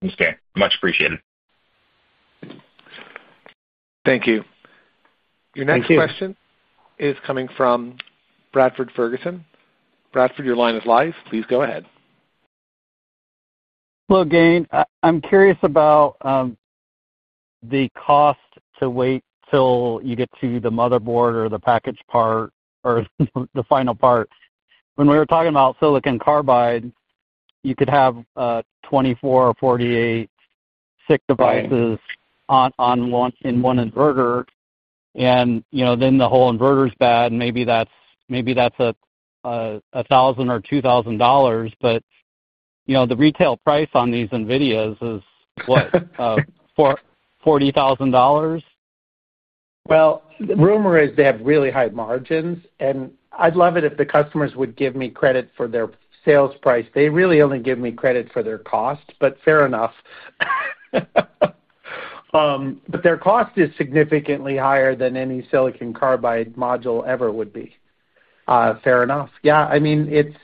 Thanks, Gayn. Much appreciated. Thank you. Your next question is coming from Bradford Ferguson. Bradford, your line is live. Please go ahead. Hello, Gayn. I'm curious about the cost to wait till you get to the motherboard or the packaged part or the final part. When we were talking about silicon carbide, you could have 24 or 48 SiC devices on one inverter, and you know, then the whole inverter's bad, and maybe that's a thousand or two thousand dollars, but you know, the retail price on these NVIDIAs is what, $40,000? The rumor is they have really high margins, and I'd love it if the customers would give me credit for their sales price. They really only give me credit for their cost, but fair enough. Their cost is significantly higher than any silicon carbide module ever would be. Fair enough. I mean, it's,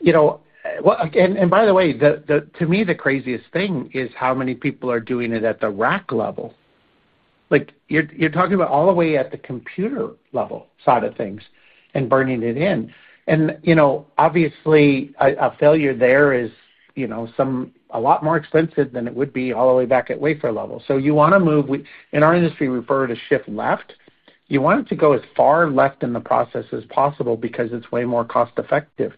you know, by the way, to me, the craziest thing is how many people are doing it at the rack level. You're talking about all the way at the computer level side of things and burning it in. Obviously, a failure there is a lot more expensive than it would be all the way back at wafer level. You want to move, in our industry, we prefer to shift left. You want it to go as far left in the process as possible because it's way more cost-effective.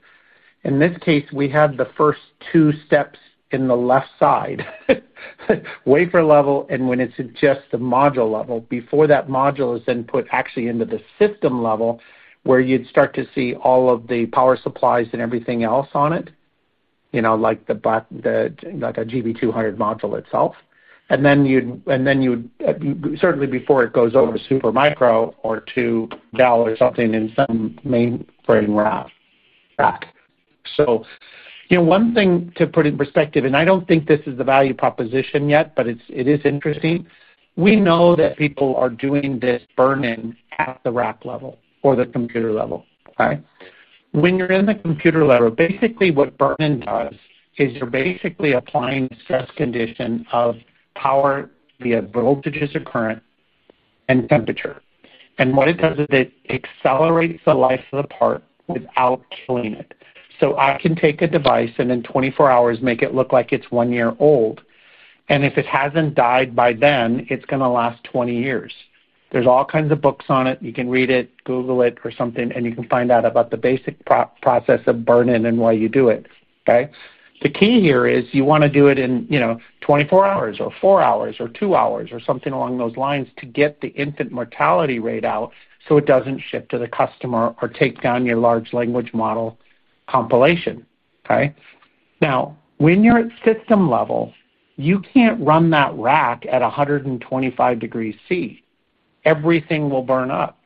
In this case, we have the first two steps in the left side, wafer level, and when it's just the module level, before that module is then put actually into the system level, where you'd start to see all of the power supplies and everything else on it, like the GB200 module itself. You'd certainly want to do this before it goes over to Supermicro or to Dell or something in some mainframe rack. One thing to put in perspective, and I don't think this is the value proposition yet, but it is interesting. We know that people are doing this burn-in at the rack level or the computer level. When you're in the computer level, basically what burn-in does is you're basically applying a stress condition of power via voltages or current and temperature. What it does is it accelerates the life of the part without killing it. I can take a device and in 24 hours make it look like it's one year old. If it hasn't died by then, it's going to last 20 years. There are all kinds of books on it. You can read it, Google it, or something, and you can find out about the basic process of burn-in and why you do it. The key here is you want to do it in 24 hours or four hours or two hours or something along those lines to get the infant mortality rate out so it doesn't shift to the customer or take down your large language model compilation. Now, when you're at system level, you can't run that rack at 125°C. Everything will burn up.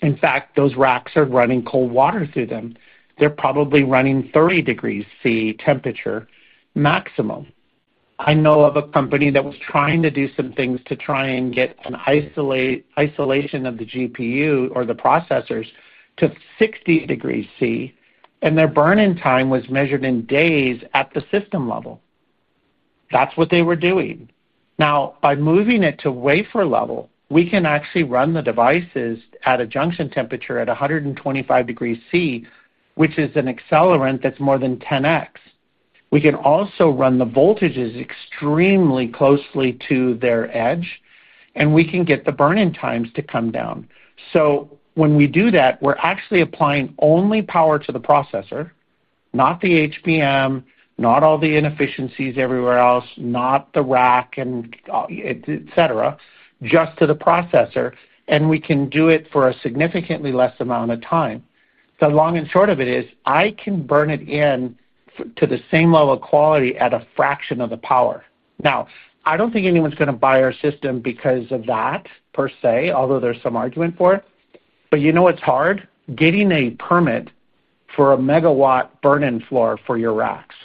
In fact, those racks are running cold water through them. They're probably running 30°C temperature maximum. I know of a company that was trying to do some things to try and get an isolation of the GPU or the processors to 60°C, and their burn-in time was measured in days at the system level. That's what they were doing. Now, by moving it to wafer level, we can actually run the devices at a junction temperature at 125°C, which is an accelerant that's more than 10x. We can also run the voltages extremely closely to their edge, and we can get the burn-in times to come down. When we do that, we're actually applying only power to the processor, not the HBM, not all the inefficiencies everywhere else, not the rack and et cetera, just to the processor. We can do it for a significantly less amount of time. The long and short of it is I can burn it in to the same level of quality at a fraction of the power. I don't think anyone's going to buy our system because of that per se, although there's some argument for it. You know what's hard? Getting a permit for a megawatt burn-in floor for your racks.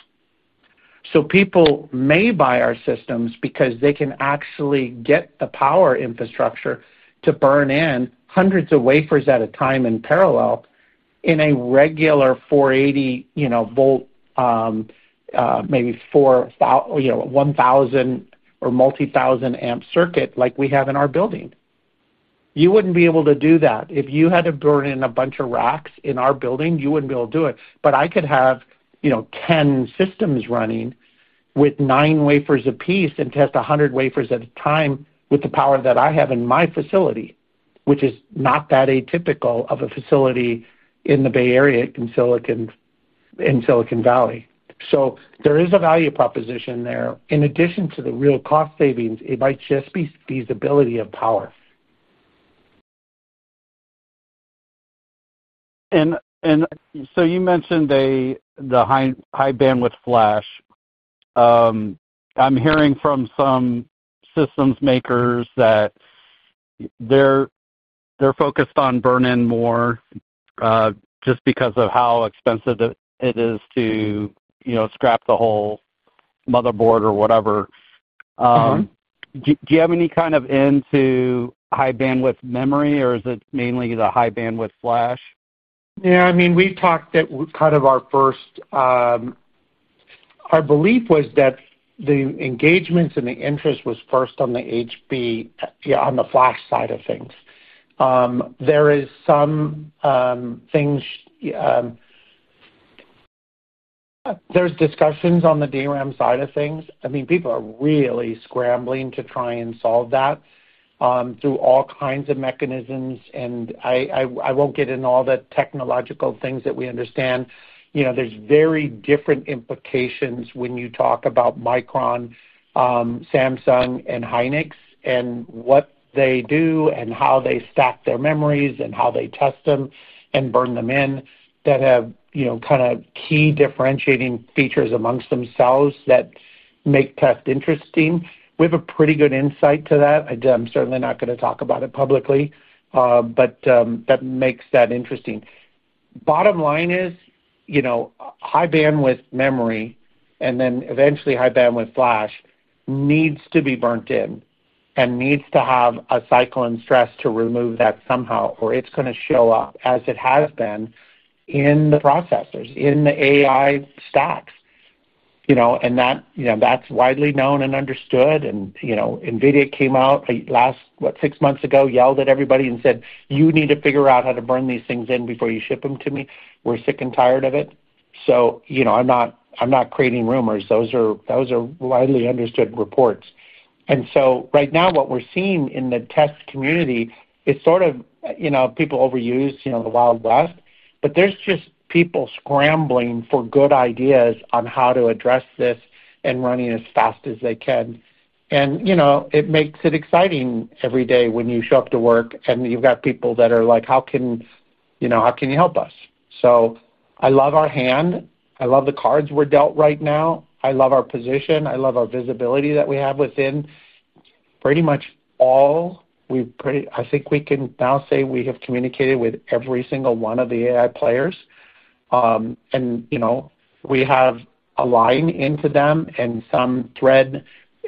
People may buy our systems because they can actually get the power infrastructure to burn in hundreds of wafers at a time in parallel in a regular 480 volt, maybe 4,000, 1,000 or multi-thousand amp circuit like we have in our building. You wouldn't be able to do that. If you had to burn in a bunch of racks in our building, you wouldn't be able to do it. I could have 10 systems running with nine wafers apiece and test 100 wafers at a time with the power that I have in my facility, which is not that atypical of a facility in the Bay Area in Silicon Valley. There is a value proposition there. In addition to the real cost savings, it might just be feasibility of power. You mentioned the high-bandwidth flash. I'm hearing from some systems makers that they're focused on burn-in more just because of how expensive it is to scrap the whole motherboard or whatever. Do you have any kind of end to high-bandwidth memory, or is it mainly the high-bandwidth flash? Yeah, I mean, we've talked that kind of our first, our belief was that the engagements and the interest was first on the HBF, yeah, on the flash side of things. There is some things, there's discussions on the DRAM side of things. I mean, people are really scrambling to try and solve that through all kinds of mechanisms, and I won't get in all the technological things that we understand. You know, there's very different implications when you talk about Micron, Samsung, and Hynix, and what they do and how they stack their memories and how they test them and burn them in that have, you know, kind of key differentiating features amongst themselves that make tests interesting. We have a pretty good insight to that. I'm certainly not going to talk about it publicly, but that makes that interesting. Bottom line is, you know, high-bandwidth memory and then eventually high-bandwidth flash needs to be burnt in and needs to have a cycle and stress to remove that somehow, or it's going to show up as it has been in the processors, in the AI stacks. You know, and that, you know, that's widely known and understood. NVIDIA came out last, what, six months ago, yelled at everybody and said, you need to figure out how to burn these things in before you ship them to me. We're sick and tired of it. I'm not creating rumors. Those are widely understood reports. Right now, what we're seeing in the test community is sort of, you know, people overuse, you know, the wild left, but there's just people scrambling for good ideas on how to address this and running as fast as they can. It makes it exciting every day when you show up to work and you've got people that are like, how can, you know, how can you help us? I love our hand. I love the cards we're dealt right now. I love our position. I love our visibility that we have within. Pretty much all we've, I think we can now say we have communicated with every single one of the AI players, and, you know, we have a line into them and some thread,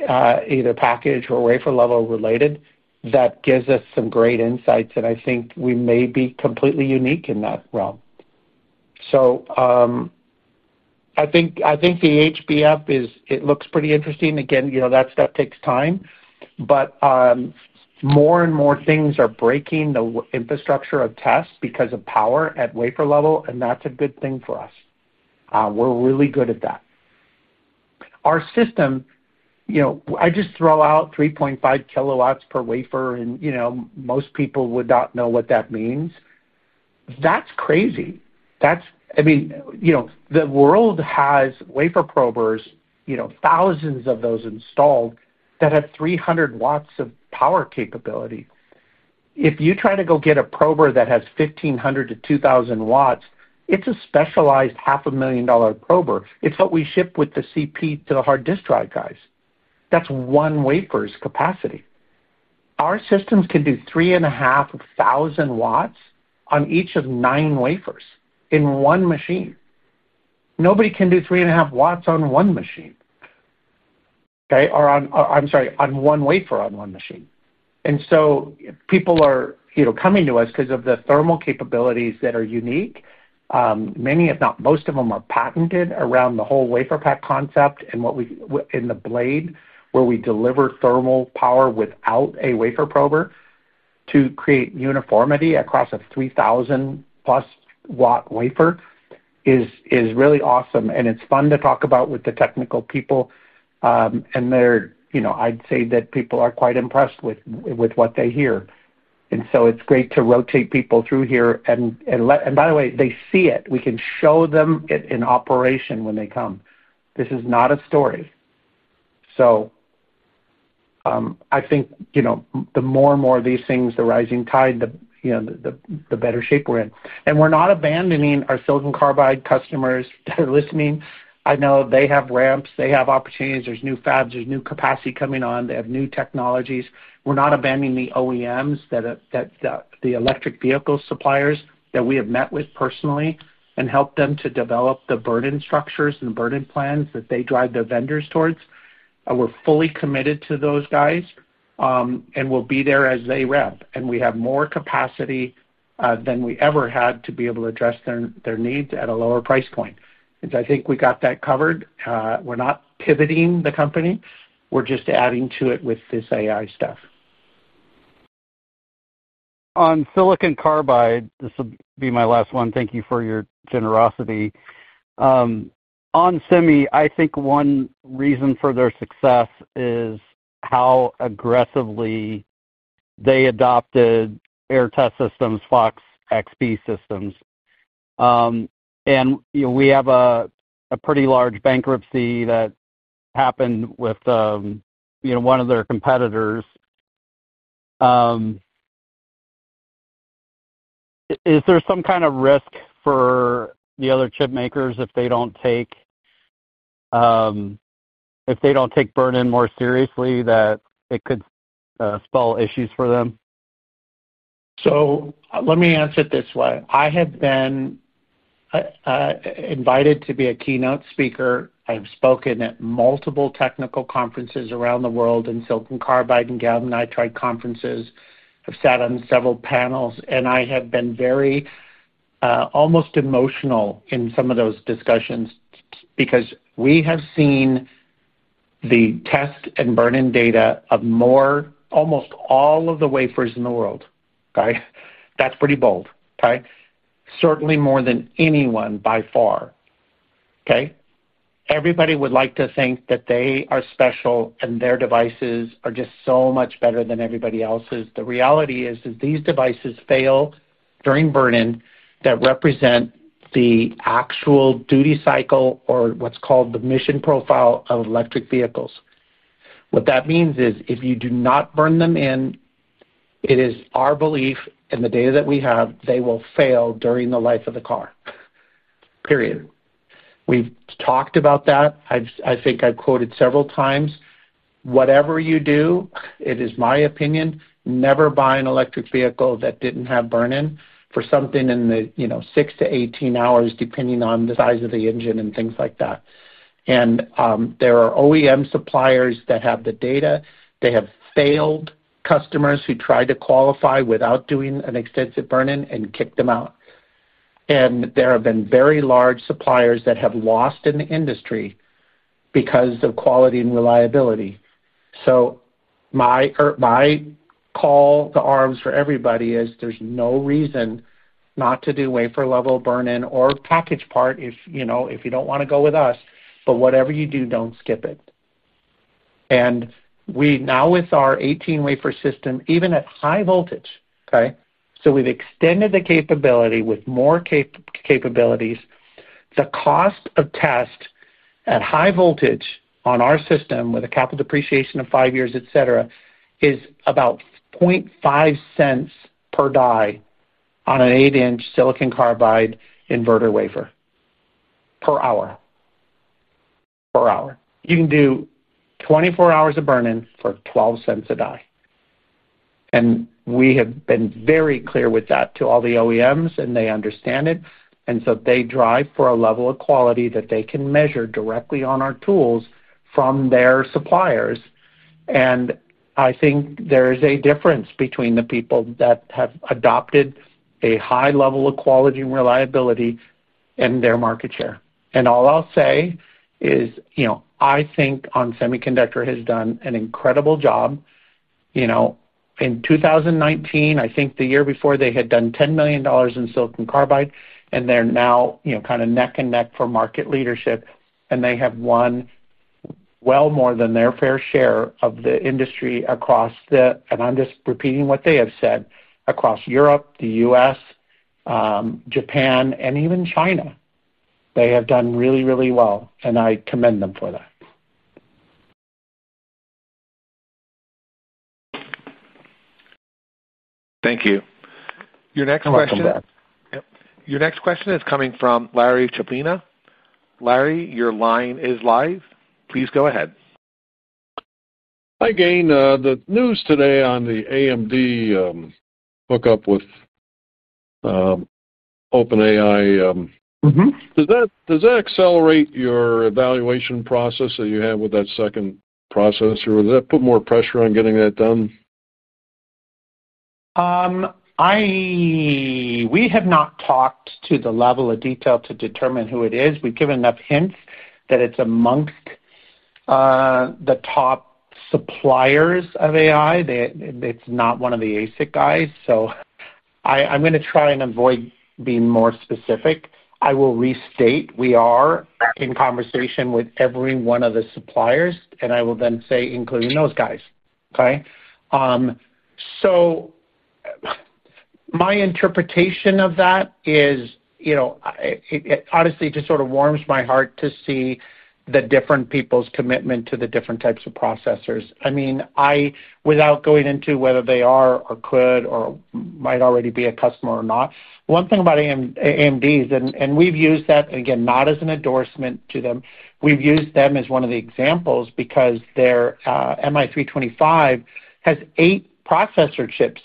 either package or wafer level related that gives us some great insights. I think we may be completely unique in that realm. I think the HBF is, it looks pretty interesting. Again, you know, that stuff takes time, but more and more things are breaking the infrastructure of tests because of power at wafer level, and that's a good thing for us. We're really good at that. Our system, you know, I just throw out 3.5 kilowatts per wafer, and, you know, most people would not know what that means. That's crazy. I mean, you know, the world has wafer probers, you know, thousands of those installed that have 300 watts of power capability. If you try to go get a prober that has 1,500 to 2,000 watts, it's a specialized half a million dollar prober. It's what we ship with the CP to the hard disk drive guys. That's one wafer's capacity. Our systems can do 3,500 watts on each of nine wafers in one machine. Nobody can do 3,500 watts on one wafer on one machine. People are coming to us because of the thermal capabilities that are unique. Many, if not most of them, are patented around the whole wafer pack concept and what we in the blade where we deliver thermal power without a wafer prober to create uniformity across a 3,000 plus watt wafer is really awesome. It's fun to talk about with the technical people. I'd say that people are quite impressed with what they hear. It's great to rotate people through here. By the way, they see it. We can show them it in operation when they come. This is not a story. I think the more and more of these things, the rising tide, the better shape we're in. We're not abandoning our silicon carbide customers that are listening. I know they have ramps. They have opportunities. There's new fabs. There's new capacity coming on. They have new technologies. We're not abandoning the OEMs, the electric vehicle suppliers that we have met with personally and helped them to develop the burn-in structures and the burn-in plans that they drive their vendors towards. We're fully committed to those guys and we'll be there as they ramp. We have more capacity than we ever had to be able to address their needs at a lower price point. I think we got that covered. We're not pivoting the company. We're just adding to it with this AI stuff. On silicon carbide, this will be my last one. Thank you for your generosity. On Semi, I think one reason for their success is how aggressively they adopted Aehr Test Systems, FoxXP systems. We have a pretty large bankruptcy that happened with one of their competitors. Is there some kind of risk for the other chip makers if they don't take burn-in more seriously that it could spell issues for them? Let me answer it this way. I have been invited to be a keynote speaker. I have spoken at multiple technical conferences around the world in silicon carbide, and Gayn and I have tried conferences, have sat on several panels, and I have been very, almost emotional in some of those discussions because we have seen the test and burn-in data of almost all of the wafers in the world. That's pretty bold. Certainly more than anyone by far. Everybody would like to think that they are special and their devices are just so much better than everybody else's. The reality is that these devices fail during burn-in that represent the actual duty cycle or what's called the mission profile of electric vehicles. What that means is if you do not burn them in, it is our belief in the data that we have, they will fail during the life of the car. Period. We've talked about that. I think I've quoted several times. Whatever you do, it is my opinion, never buy an electric vehicle that didn't have burn-in for something in the, you know, 6 to 18 hours, depending on the size of the engine and things like that. There are OEM suppliers that have the data. They have failed customers who tried to qualify without doing an extensive burn-in and kicked them out. There have been very large suppliers that have lost in the industry because of quality and reliability. My call to arms for everybody is there's no reason not to do wafer-level burn-in or packaged part if you know, if you don't want to go with us. Whatever you do, don't skip it. We now, with our 18-wafer system, even at high voltage, have extended the capability with more capabilities. The cost of test at high voltage on our system, with a capital depreciation of five years, is about $0.005 per die on an eight-inch silicon carbide inverter wafer per hour. Per hour. You can do 24 hours of burn-in for $0.12 a die. We have been very clear with that to all the OEMs, and they understand it. They drive for a level of quality that they can measure directly on our tools from their suppliers. I think there is a difference between the people that have adopted a high level of quality and reliability and their market share. All I'll say is, I think On Semiconductor has done an incredible job. In 2019, I think the year before, they had done $10 million in silicon carbide, and they're now, you know, kind of neck and neck for market leadership. They have won well more than their fair share of the industry across Europe, the U.S., Japan, and even China. They have done really, really well, and I commend them for that. Thank you. Your next question is coming from Larry Chlebina. Larry, your line is live. Please go ahead. Hi, Gayn. The news today on the AMD hookup with OpenAI, does that accelerate your evaluation process that you have with that second processor, or does that put more pressure on getting that done? We have not talked to the level of detail to determine who it is. We've given enough hints that it's amongst the top suppliers of AI. It's not one of the ASIC guys. I'm going to try and avoid being more specific. I will restate we are in conversation with every one of the suppliers, and I will then say including those guys. My interpretation of that is, honestly, it just sort of warms my heart to see the different people's commitment to the different types of processors. I mean, without going into whether they are or could or might already be a customer or not, one thing about AMDs, and we've used that, and again, not as an endorsement to them, we've used them as one of the examples because their MI325 has eight processor chips,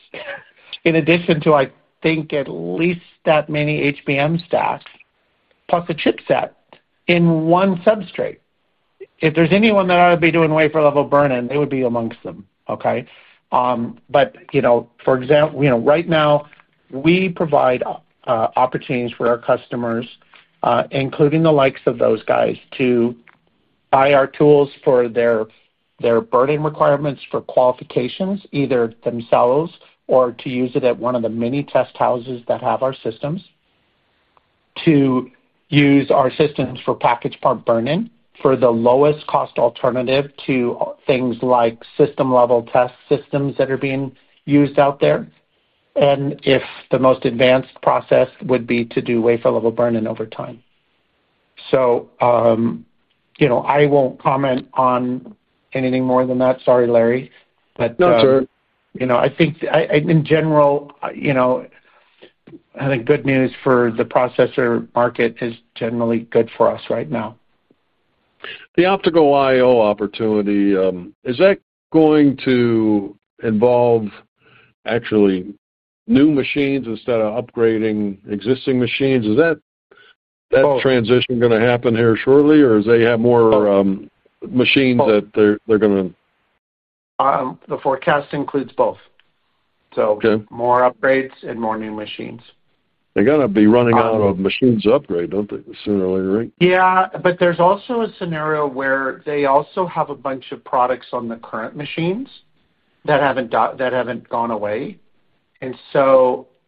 in addition to, I think, at least that many HBM stacks plus a chipset. One substrate, if there's anyone that I would be doing wafer-level burn-in, it would be amongst them. For example, right now we provide opportunities for our customers, including the likes of those guys, to buy our tools for their burn-in requirements for qualifications, either themselves or to use it at one of the many test houses that have our systems, to use our systems for packaged part burn-in for the lowest cost alternative to things like system-level test systems that are being used out there. If the most advanced process would be to do wafer-level burn-in over time. I won't comment on anything more than that. Sorry, Larry. No, sir. I think in general, I think good news for the processor market is generally good for us right now. The optical IO opportunity, is that going to involve actually new machines instead of upgrading existing machines? Is that transition going to happen here shortly? Or do they have more machines that they're going to... The forecast includes both. More upgrades and more new machines. They're going to be running out of machines to upgrade, don't they? Yeah. There's also a scenario where they also have a bunch of products on the current machines that haven't gone away.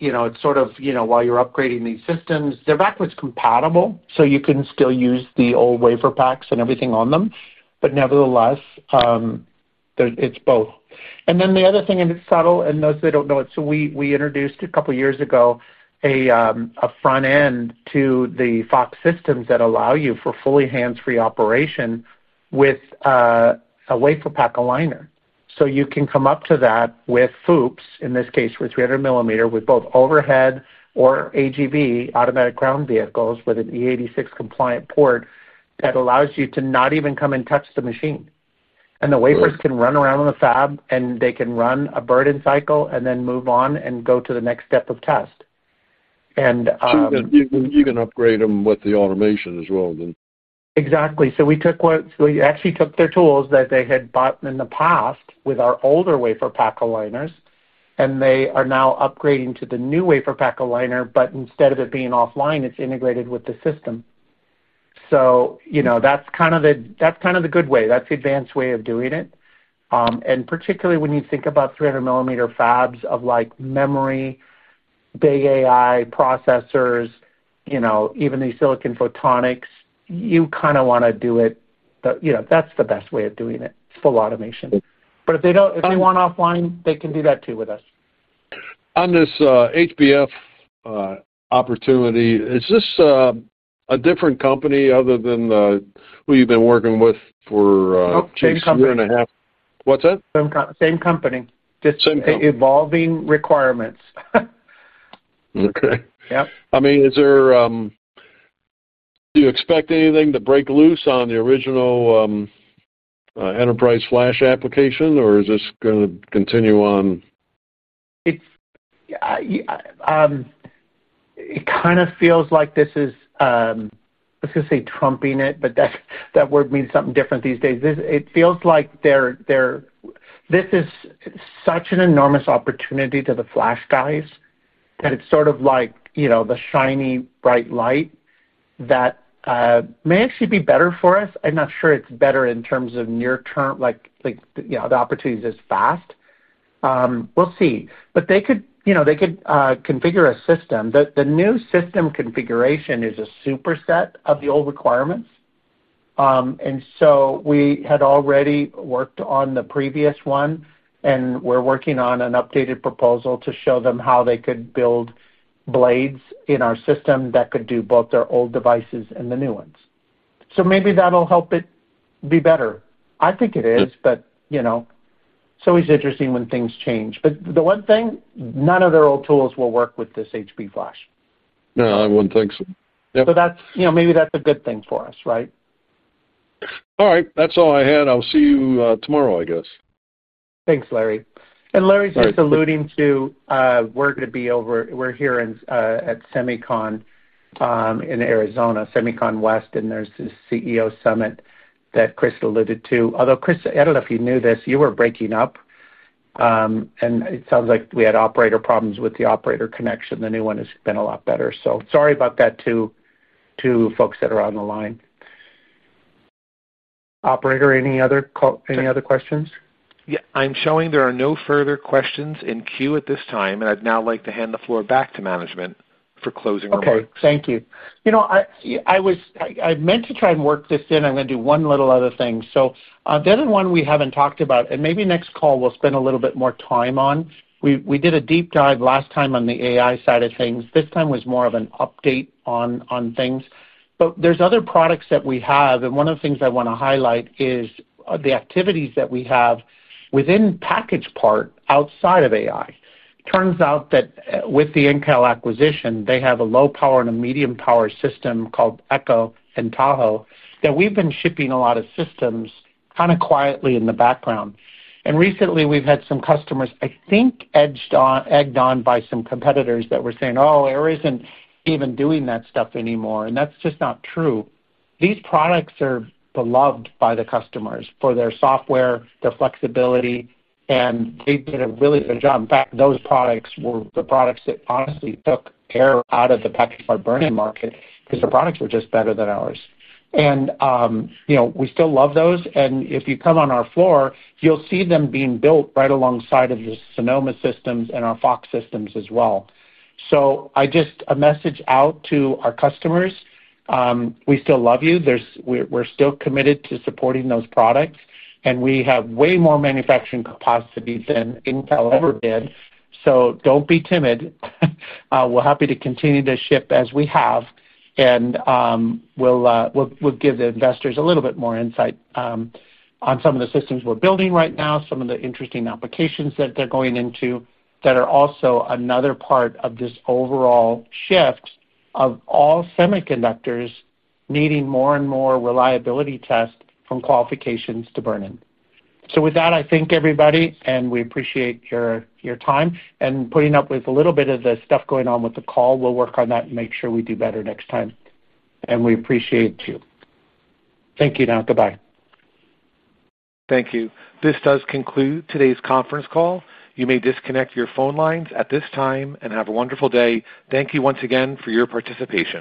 You know, it's sort of, you know, while you're upgrading these systems, they're backwards compatible. You can still use the old wafer packs and everything on them. Nevertheless, it's both. The other thing, and it's subtle and those that don't know it. We introduced a couple of years ago a front end to the Fox systems that allow you for fully hands-free operation with a wafer pack aligner. You can come up to that with FOUPs, in this case for 300 millimeter, with both overhead or AGV, automatic ground vehicles, with an E86 compliant port that allows you to not even come and touch the machine. The wafers can run around on the fab and they can run a burn-in cycle and then move on and go to the next step of test. You can upgrade them with the automation as well then. Exactly. We took what we actually took their tools that they had bought in the past with our older wafer pack aligners, and they are now upgrading to the new wafer pack aligner. Instead of it being offline, it's integrated with the system. That's kind of the good way. That's the advanced way of doing it, and particularly when you think about 300 millimeter fabs of like memory, big AI processors, even the silicon photonics, you kind of want to do it. That's the best way of doing it. Full automation. If they don't, if they want offline, they can do that too with us. On this HBF opportunity, is this a different company other than who you've been working with for two and a half years? What's that? Same company, just evolving requirements. Okay. Do you expect anything to break loose on the original enterprise flash application, or is this going to continue on? It kind of feels like this is, I was going to say trumping it, but that word means something different these days. It feels like this is such an enormous opportunity to the flash guys that it's sort of like, you know, the shiny bright light that may actually be better for us. I'm not sure it's better in terms of near term, like, you know, the opportunities are as fast. We'll see. They could configure a system. The new system configuration is a superset of the old requirements, and so we had already worked on the previous one, and we're working on an updated proposal to show them how they could build blades in our system that could do both their old devices and the new ones. Maybe that'll help it be better. I think it is, but you know, it's always interesting when things change. The one thing, none of their old tools will work with this HBF flash. No, I wouldn't think so. Maybe that's a good thing for us, right? All right. That's all I had. I'll see you tomorrow, I guess. Thanks, Larry. Larry's just alluding to, we're going to be over, we're here at Semicon in Arizona, Semicon West, and there's this CEO summit that Chris alluded to. Although, Chris, I don't know if you knew this, you were breaking up. It sounds like we had operator problems with the operator connection. The new one has been a lot better. Sorry about that to folks that are on the line. Operator, any other questions? Yeah, I'm showing there are no further questions in queue at this time. I'd now like to hand the floor back to management for closing remarks. Okay, thank you. I meant to try and work this in. I'm going to do one little other thing. There's one we haven't talked about, and maybe next call we'll spend a little bit more time on. We did a deep dive last time on the AI side of things. This time was more of an update on things. There are other products that we have, and one of the things I want to highlight is the activities that we have within packaged part outside of AI. It turns out that with the Intel acquisition, they have a low power and a medium power system called Echo and Tahoe that we've been shipping a lot of systems kind of quietly in the background. Recently we've had some customers, I think, egged on by some competitors that were saying, oh, Aehr isn't even doing that stuff anymore. That's just not true. These products are beloved by the customers for their software, their flexibility, and they did a really good job. In fact, those products were the products that honestly took air out of the packaged part burn-in market because the products were just better than ours. We still love those. If you come on our floor, you'll see them being built right alongside the Sonoma systems and our Fox systems as well. A message out to our customers, we still love you. We're still committed to supporting those products. We have way more manufacturing capacity than Intel ever did. Don't be timid. We're happy to continue to ship as we have. We'll give the investors a little bit more insight on some of the systems we're building right now, some of the interesting applications that they're going into that are also another part of this overall shift of all semiconductors needing more and more reliability tests from qualifications to burn-in. With that, I thank everybody, and we appreciate your time and putting up with a little bit of the stuff going on with the call. We'll work on that and make sure we do better next time. We appreciate you. Thank you now. Goodbye. Thank you. This does conclude today's conference call. You may disconnect your phone lines at this time and have a wonderful day. Thank you once again for your participation.